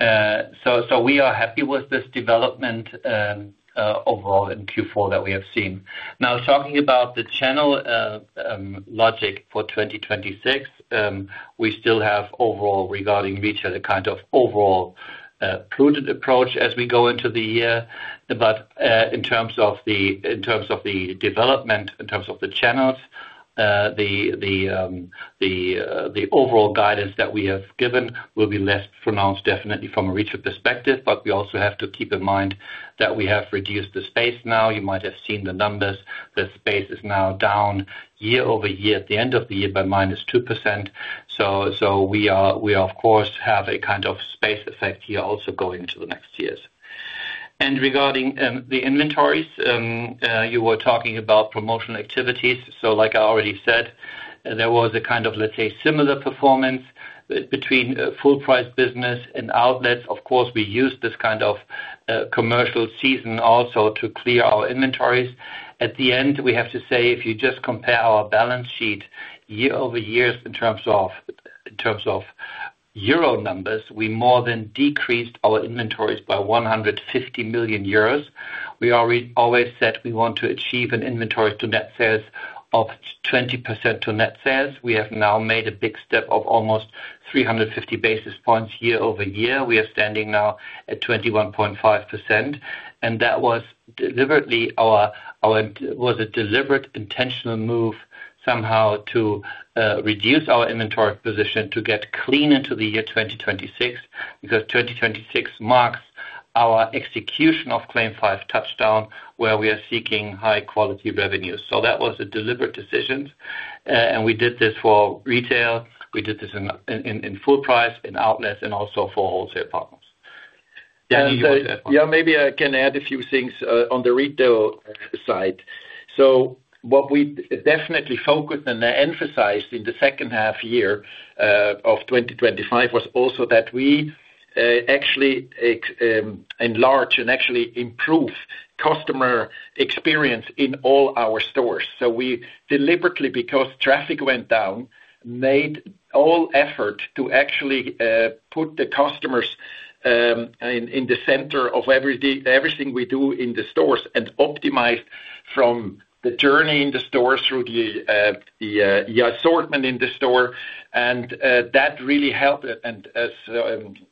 So we are happy with this development overall in Q4 that we have seen. Now talking about the channel logic for 2026, we still have overall regarding retail a kind of overall prudent approach as we go into the year. In terms of the development in terms of the channels, the overall guidance that we have given will be less pronounced definitely from a retail perspective. We also have to keep in mind that we have reduced the space now. You might have seen the numbers. The space is now down year-over-year at the end of the year by -2%. We of course have a kind of space effect here also going into the next years. Regarding the inventories, you were talking about promotional activities. Like I already said, there was a kind of, let's say, similar performance between full price business and outlets. Of course, we used this kind of commercial season also to clear our inventories. At the end, we have to say, if you just compare our balance sheet year over year in terms of euro numbers, we more than decreased our inventories by 150 million euros. We always said we want to achieve an inventory to net sales of 20% to net sales. We have now made a big step of almost 350 basis points year over year. We are standing now at 21.5%, and that was deliberately a deliberate, intentional move somehow to reduce our inventory position to get clean into the year 2026, because 2026 marks our execution of CLAIM 5 TOUCHDOWN, where we are seeking high quality revenues. That was a deliberate decision. We did this for retail, we did this in full price, in outlets, and also for wholesale partners. Danny, you want to add something? Yeah, maybe I can add a few things on the retail side. What we definitely focused and emphasized in the second half year of 2025 was also that we actually expanded and actually improve customer experience in all our stores. We deliberately, because traffic went down, made all effort to actually put the customers in the center of everything we do in the stores and optimize the journey in the stores through the assortment in the store. That really helped. As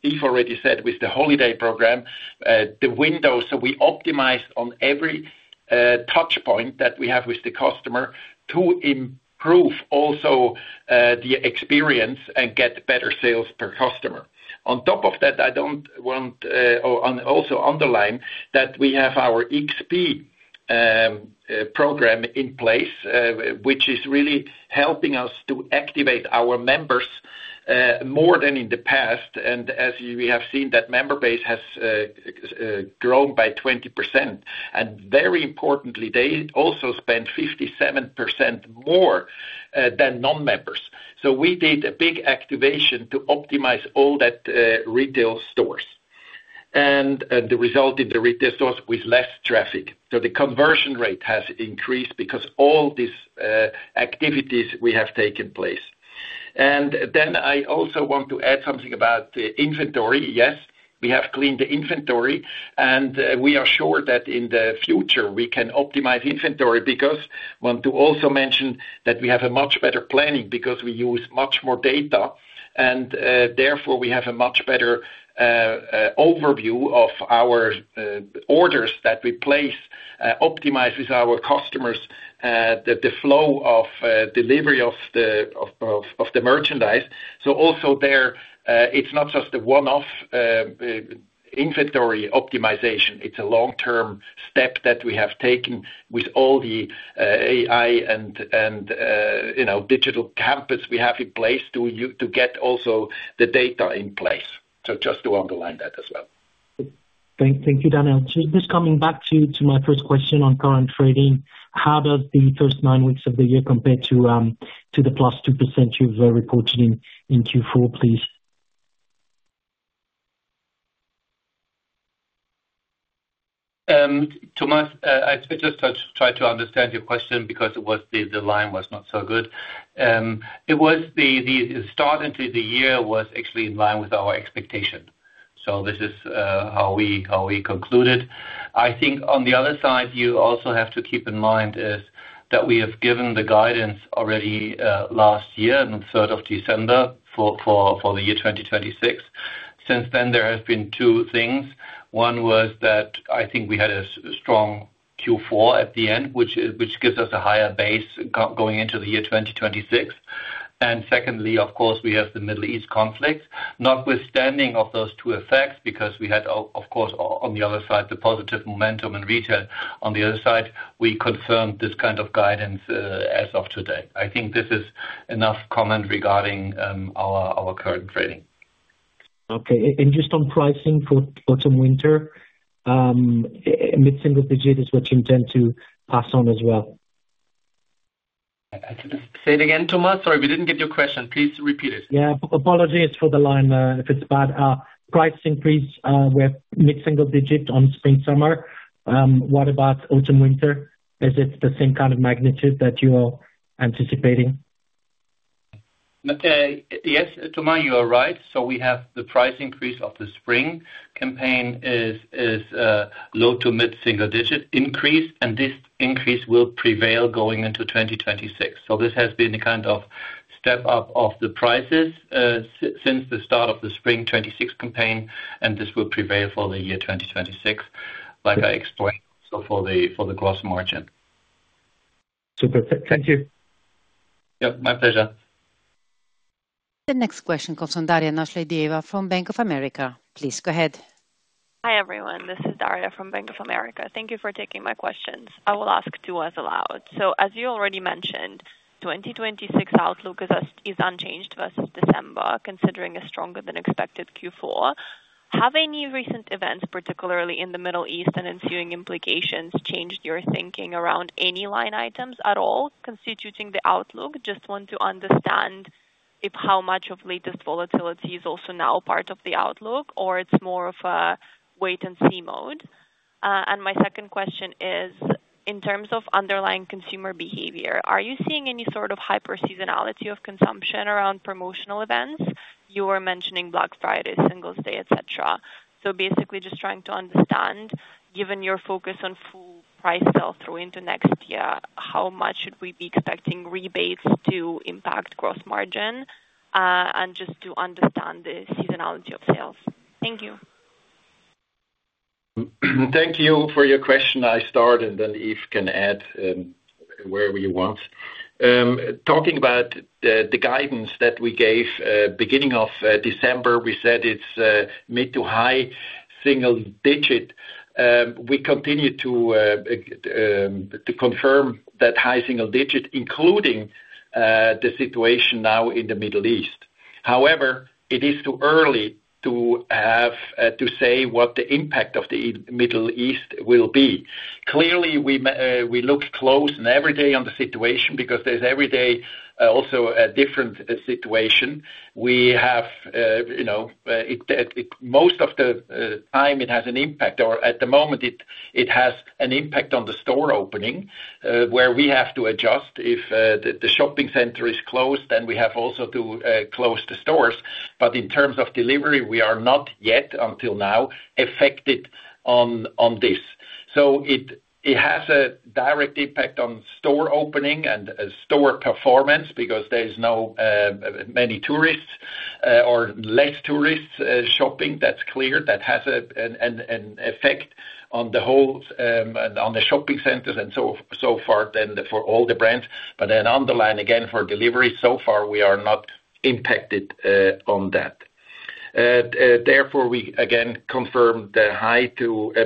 Yves already said with the holiday program, the windows. We optimized on every touch point that we have with the customer to improve also the experience and get better sales per customer. On top of that, and also underline that we have our XP program in place, which is really helping us to activate our members more than in the past, and as we have seen, that member base has grown by 20%. Very importantly, they also spend 57% more than non-members. We did a big activation to optimize all that retail stores, and the result in the retail stores with less traffic. The conversion rate has increased because all these activities have taken place. I also want to add something about the inventory. Yes, we have cleaned the inventory, and we are sure that in the future we can optimize inventory because we want to also mention that we have a much better planning because we use much more data, and therefore we have a much better overview of our orders that we place, optimize with our customers, the flow of delivery of the merchandise. Also there, it's not just a one-off inventory optimization, it's a long-term step that we have taken with all the AI and you know, Digital Campus we have in place to get also the data in place. Just to underline that as well. Thank you, Daniel. Just coming back to my first question on current trading. How does the first nine weeks of the year compare to the +2% you were reporting in Q4, please? Thomas, I just try to understand your question because the line was not so good. It was the start into the year was actually in line with our expectation. This is how we concluded. I think on the other side you also have to keep in mind is that we have given the guidance already last year on the third of December for the year 2026. Since then there have been two things. One was that I think we had a strong Q4 at the end, which gives us a higher base going into the year 2026. Secondly, of course, we have the Middle East conflict. Notwithstanding of those two effects, because we had, of course, on the other side, the positive momentum in retail, on the other side, we confirmed this kind of guidance, as of today. I think this is enough comment regarding our current trading. Just on pricing for autumn/winter, mid-single digit is what you intend to pass on as well. Say it again, Thomas. Sorry, we didn't get your question. Please repeat it. Apologies for the line, if it's bad. Price increase, we have mid-single digit on spring/summer. What about autumn/winter? Is it the same kind of magnitude that you are anticipating? Okay. Yes, Thomas, you are right. We have the price increase of the spring campaign is low- to mid-single-digit increase, and this increase will prevail going into 2026. This has been a kind of step up of the prices since the start of the spring 2026 campaign, and this will prevail for the year 2026, like I explained, so for the gross margin. Super. Thank you. Yep, my pleasure. The next question comes from Daria Nasledysheva from Bank of America. Please go ahead. Hi, everyone. This is Daria from Bank of America. Thank you for taking my questions. I will ask two as allowed. As you already mentioned, 2026 outlook is as, is unchanged versus December, considering a stronger than expected Q4. Have any recent events, particularly in the Middle East and ensuing implications, changed your thinking around any line items at all constituting the outlook? Just want to understand if how much of latest volatility is also now part of the outlook, or it's more of a wait and see mode. My second question is, in terms of underlying consumer behavior, are you seeing any sort of hyper-seasonality of consumption around promotional events? You were mentioning Black Friday, Singles Day, etc. Basically just trying to understand, given your focus on full price sell-through into next year, how much should we be expecting rebates to impact gross margin? Just to understand the seasonality of sales. Thank you. Thank you for your question. I start and then Yves can add, wherever you want. Talking about the guidance that we gave, beginning of December, we said it's mid- to high-single-digit. We continue to confirm that high-single-digit, including the situation now in the Middle East. However, it is too early to say what the impact of the Middle East will be. Clearly, we look closely every day on the situation because there's every day also a different situation. We have, you know, it. Most of the time it has an impact, or at the moment it has an impact on the store opening, where we have to adjust. If the shopping center is closed, then we have also to close the stores. In terms of delivery, we are not yet until now affected on this. It has a direct impact on store opening and store performance because there is not many tourists or less tourists shopping. That's clear. That has an effect on the whole on the shopping centers and so far then for all the brands. Then underline again for delivery, so far we are not impacted on that. Therefore, we again confirm the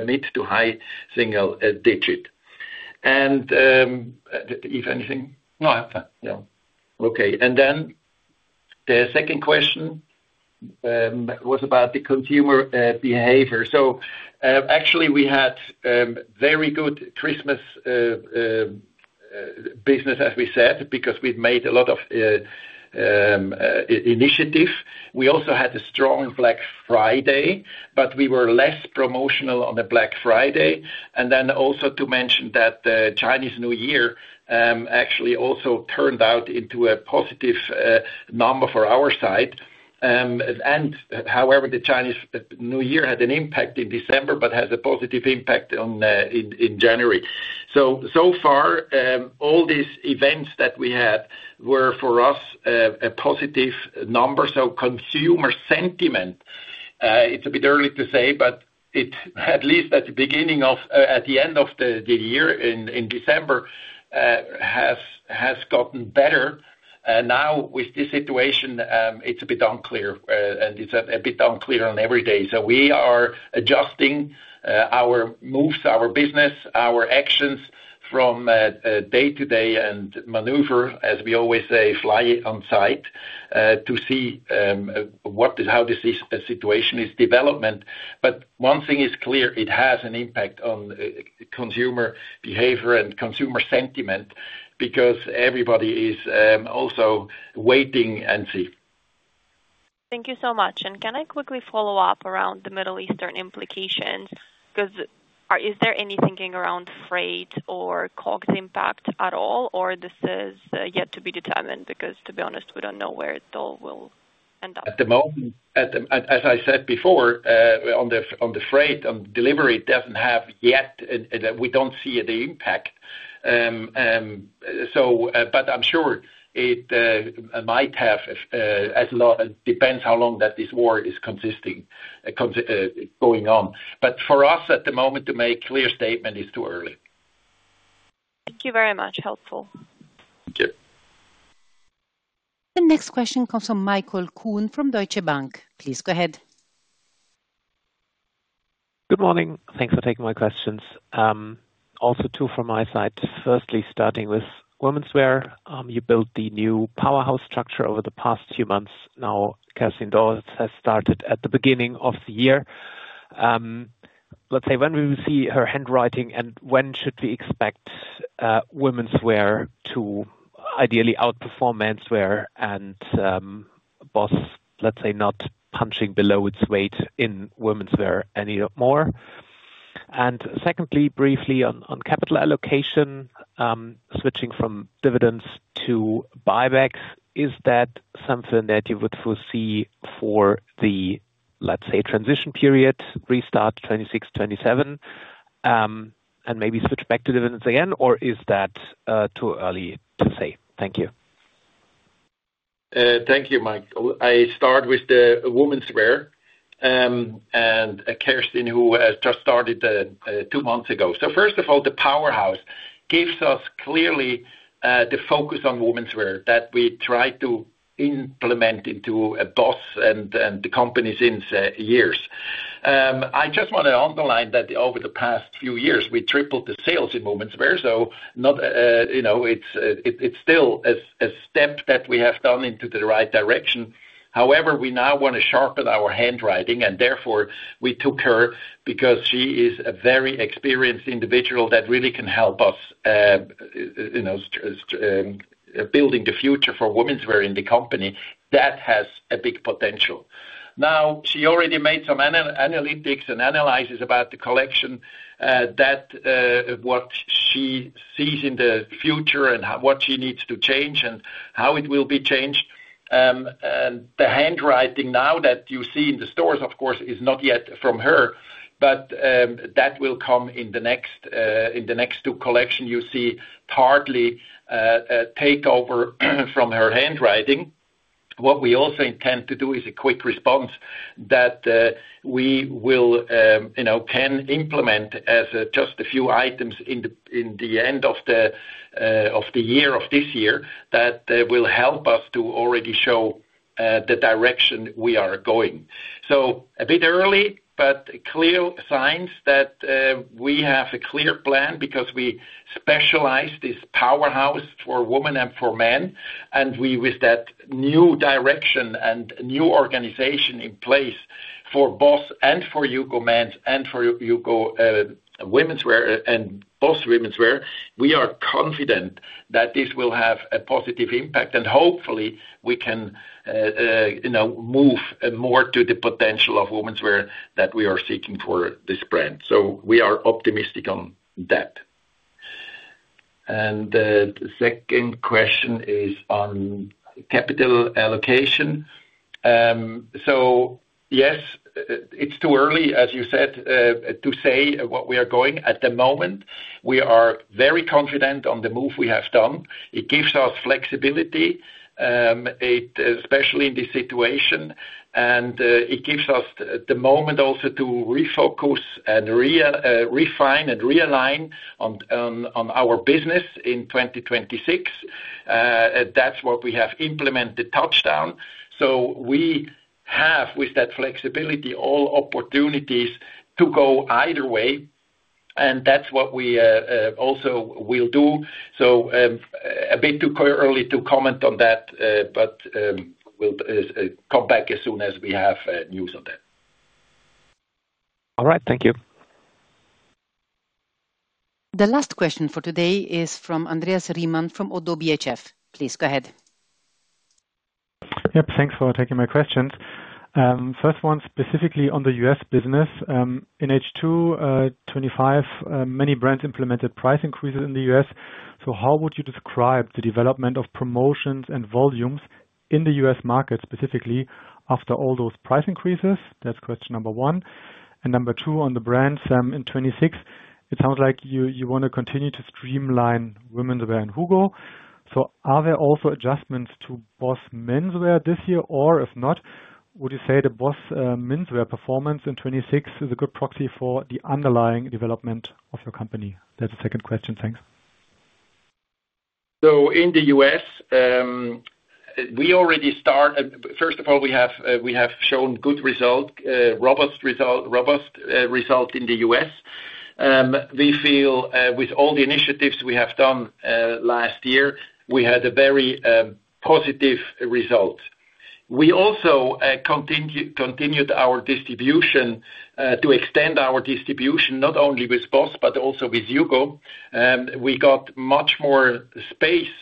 mid- to high single-digit. Yves, anything? No, I'm fine. No. Okay. The second question was about the consumer behavior. Actually, we had very good Christmas business, as we said, because we've made a lot of initiative. We also had a strong Black Friday, but we were less promotional on the Black Friday. To mention that the Chinese New Year actually also turned out into a positive number for our side. However, the Chinese New Year had an impact in December, but has a positive impact in January. So far, all these events that we had were, for us, a positive number. Consumer sentiment, it's a bit early to say, but it, at least at the beginning of. At the end of the year in December has gotten better. Now, with this situation, it's a bit unclear every day. We are adjusting our moves, our business, our actions from day to day and maneuver, as we always say, fly on site to see how this situation is developing. One thing is clear. It has an impact on consumer behavior and consumer sentiment because everybody is also wait and see. Thank you so much. Can I quickly follow up around the Middle Eastern implications? 'Cause is there any thinking around freight or COGS impact at all, or this is yet to be determined? Because, to be honest, we don't know where it all will end up. At the moment, as I said before, on the freight delivery, it doesn't have yet. We don't see the impact. I'm sure it might have. Depends how long this war is continuing, going on. For us, at the moment, to make clear statement, it's too early. Thank you very much. Helpful. Okay. The next question comes from Michael Kuhn from Deutsche Bank. Please go ahead. Good morning. Thanks for taking my questions. Also two from my side. Firstly, starting with womenswear. You built the new powerhouse structure over the past few months. Now, Kerstin Dorst has started at the beginning of the year. Let's say, when will we see her handwriting, and when should we expect womenswear to ideally outperform menswear and BOSS, let's say, not punching below its weight in womenswear any more? Secondly, briefly on capital allocation, switching from dividends to buybacks, is that something that you would foresee for the, let's say, transition period, restart 2026, 2027, and maybe switch back to dividends again? Or is that too early to say? Thank you. Thank you, Mike. Well, I start with the womenswear, and Kerstin, who just started two months ago. First of all, the powerhouse gives us clearly the focus on womenswear that we try to implement into BOSS and the company since years. I just wanna underline that over the past few years, we tripled the sales in womenswear, so not you know it's still a step that we have done into the right direction. However, we now wanna sharpen our handwriting, and therefore, we took her because she is a very experienced individual that really can help us you know building the future for womenswear in the company. That has a big potential. Now, she already made some analytics and analysis about the collection, that, what she sees in the future and what she needs to change and how it will be changed. The handwriting now that you see in the stores, of course, is not yet from her, but that will come in the next two collections, you see partly takeover from her handwriting. What we also intend to do is a quick response that we will, you know, can implement as just a few items in the end of this year, that will help us to already show the direction we are going. A bit early, but clear signs that we have a clear plan because we specialize this powerhouse for women and for men, and we, with that new direction and new organization in place for BOSS and for HUGO Men's and for HUGO Womenswear and BOSS Womenswear, we are confident that this will have a positive impact. Hopefully, we can, you know, move more to the potential of Womenswear that we are seeking for this brand. We are optimistic on that. The second question is on capital allocation. Yes, it's too early, as you said, to say what we are going for at the moment. We are very confident on the move we have done. It gives us flexibility, especially in this situation, and it gives us the moment also to refocus and refine and realign on our business in 2026. That's what we have implemented touchdown. We have, with that flexibility, all opportunities to go either way, and that's what we also will do. A bit too early to comment on that, but we'll come back as soon as we have news on that. All right. Thank you. The last question for today is from Andreas Riemann from ODDO BHF. Please go ahead. Yep. Thanks for taking my questions. First one, specifically on the U.S. business. In H2 2025, many brands implemented price increases in the U.S. How would you describe the development of promotions and volumes in the U.S. market, specifically after all those price increases? That's question number one. Number two, on the brand HUGO, in 2026, it sounds like you wanna continue to streamline women's wear and HUGO. Are there also adjustments to BOSS menswear this year? Or if not, would you say the BOSS menswear performance in 2026 is a good proxy for the underlying development of your company? That's the second question. Thanks. First of all, we have shown good results, robust result in the U.S. We feel with all the initiatives we have done last year, we had a very positive result. We also continued our distribution to extend our distribution not only with BOSS, but also with HUGO. We got much more space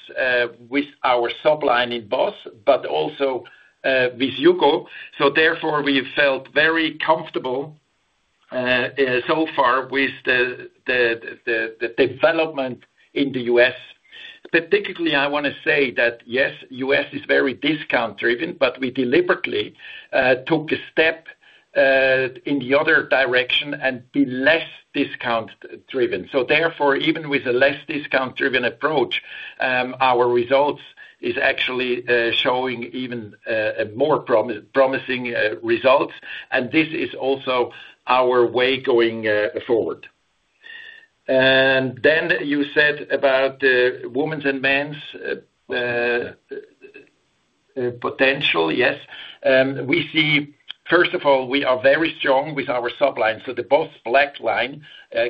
with our subline in BOSS, but also with HUGO. Therefore, we felt very comfortable so far with the development in the U.S. Particularly, I wanna say that, yes, U.S. is very discount-driven, but we deliberately took a step in the other direction and be less discount-driven. Therefore, even with a less discount-driven approach, our results is actually showing even a more promising results. This is also our way going forward. You said about the women's and men's potential. Yes. We see, first of all, we are very strong with our subline. The BOSS Black line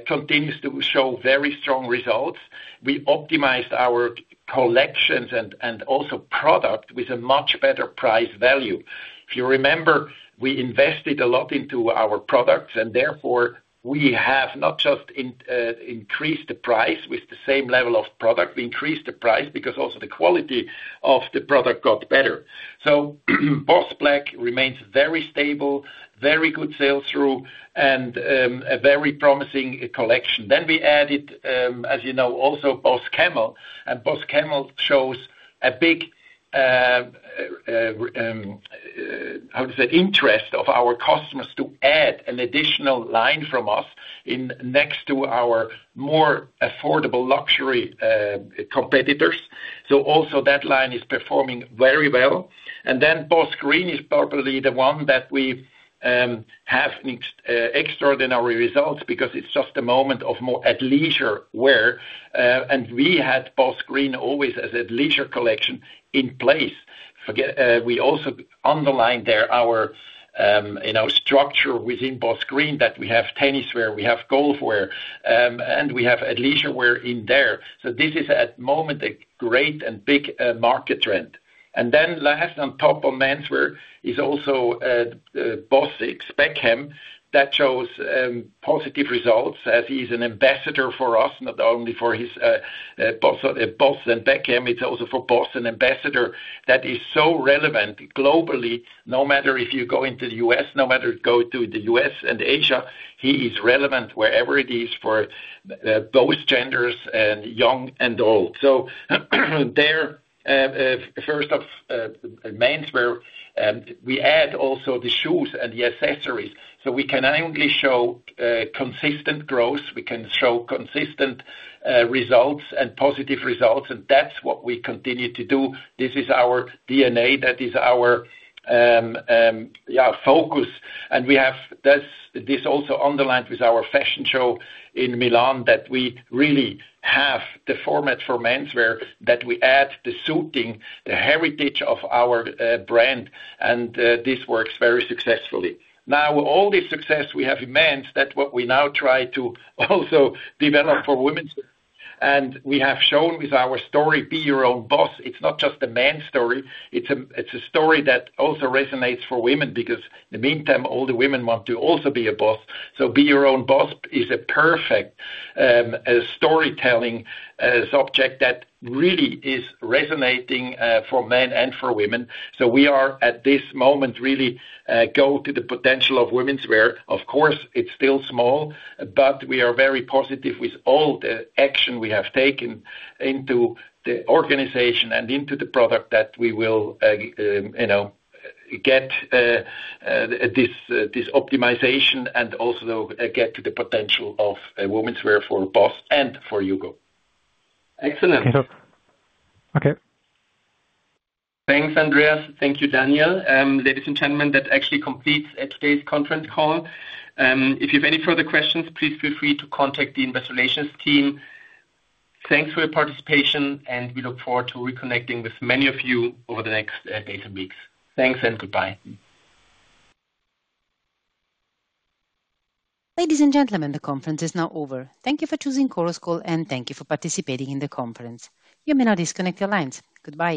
continues to show very strong results. We optimized our collections and also product with a much better price value. If you remember, we invested a lot into our products, and therefore, we have not just in increased the price with the same level of product. We increased the price because also the quality of the product got better. BOSS Black remains very stable, very good sales through, and a very promising collection. We added, as you know, also BOSS Camel, and BOSS Camel shows a big interest of our customers to add an additional line from us in next to our more affordable luxury competitors. That line is performing very well. BOSS Green is probably the one that we have extraordinary results because it's just a moment of more athleisure wear. We had BOSS Green always as athleisure collection in place. We also underlined there our, you know, structure within BOSS Green that we have tennis wear, we have golf wear, and we have athleisure wear in there. This is at moment a great and big market trend. Last on top of menswear is also BOSS x Beckham that shows positive results as he's an ambassador for us, not only for his BOSS and Beckham, it's also for BOSS, an ambassador that is so relevant globally. No matter if you go to the U.S. and Asia, he is relevant wherever it is for both genders and young and old. In menswear, we add also the shoes and the accessories, so we can annually show consistent growth. We can show consistent results and positive results, and that's what we continue to do. This is our DNA. That is our focus. We have.. This also underlines with our fashion show in Milan that we really have the format for menswear, that we add the suiting, the heritage of our brand. This works very successfully. Now, all the success we have in men's, that's what we now try to also develop for womenswear. We have shown with our story, Be Your Own BOSS, it's not just a men's story, it's a story that also resonates for women because in the meantime, all the women want to also be a boss. Be Your Own BOSS is a perfect storytelling subject that really is resonating for men and for women. We are, at this moment, really going to the potential of womenswear. Of course, it's still small, but we are very positive with all the action we have taken into the organization and into the product that we will, you know, get this optimization and also get to the potential of womenswear for Boss and for Hugo. Excellent. Okay. Thanks, Andreas. Thank you, Daniel. Ladies and gentlemen, that actually completes today's conference call. If you have any further questions, please feel free to contact the investor relations team. Thanks for your participation, and we look forward to reconnecting with many of you over the next, days and weeks. Thanks and goodbye. Ladies and gentlemen, the conference is now over. Thank you for choosing Chorus Call, and thank you for participating in the conference. You may now disconnect your lines. Goodbye.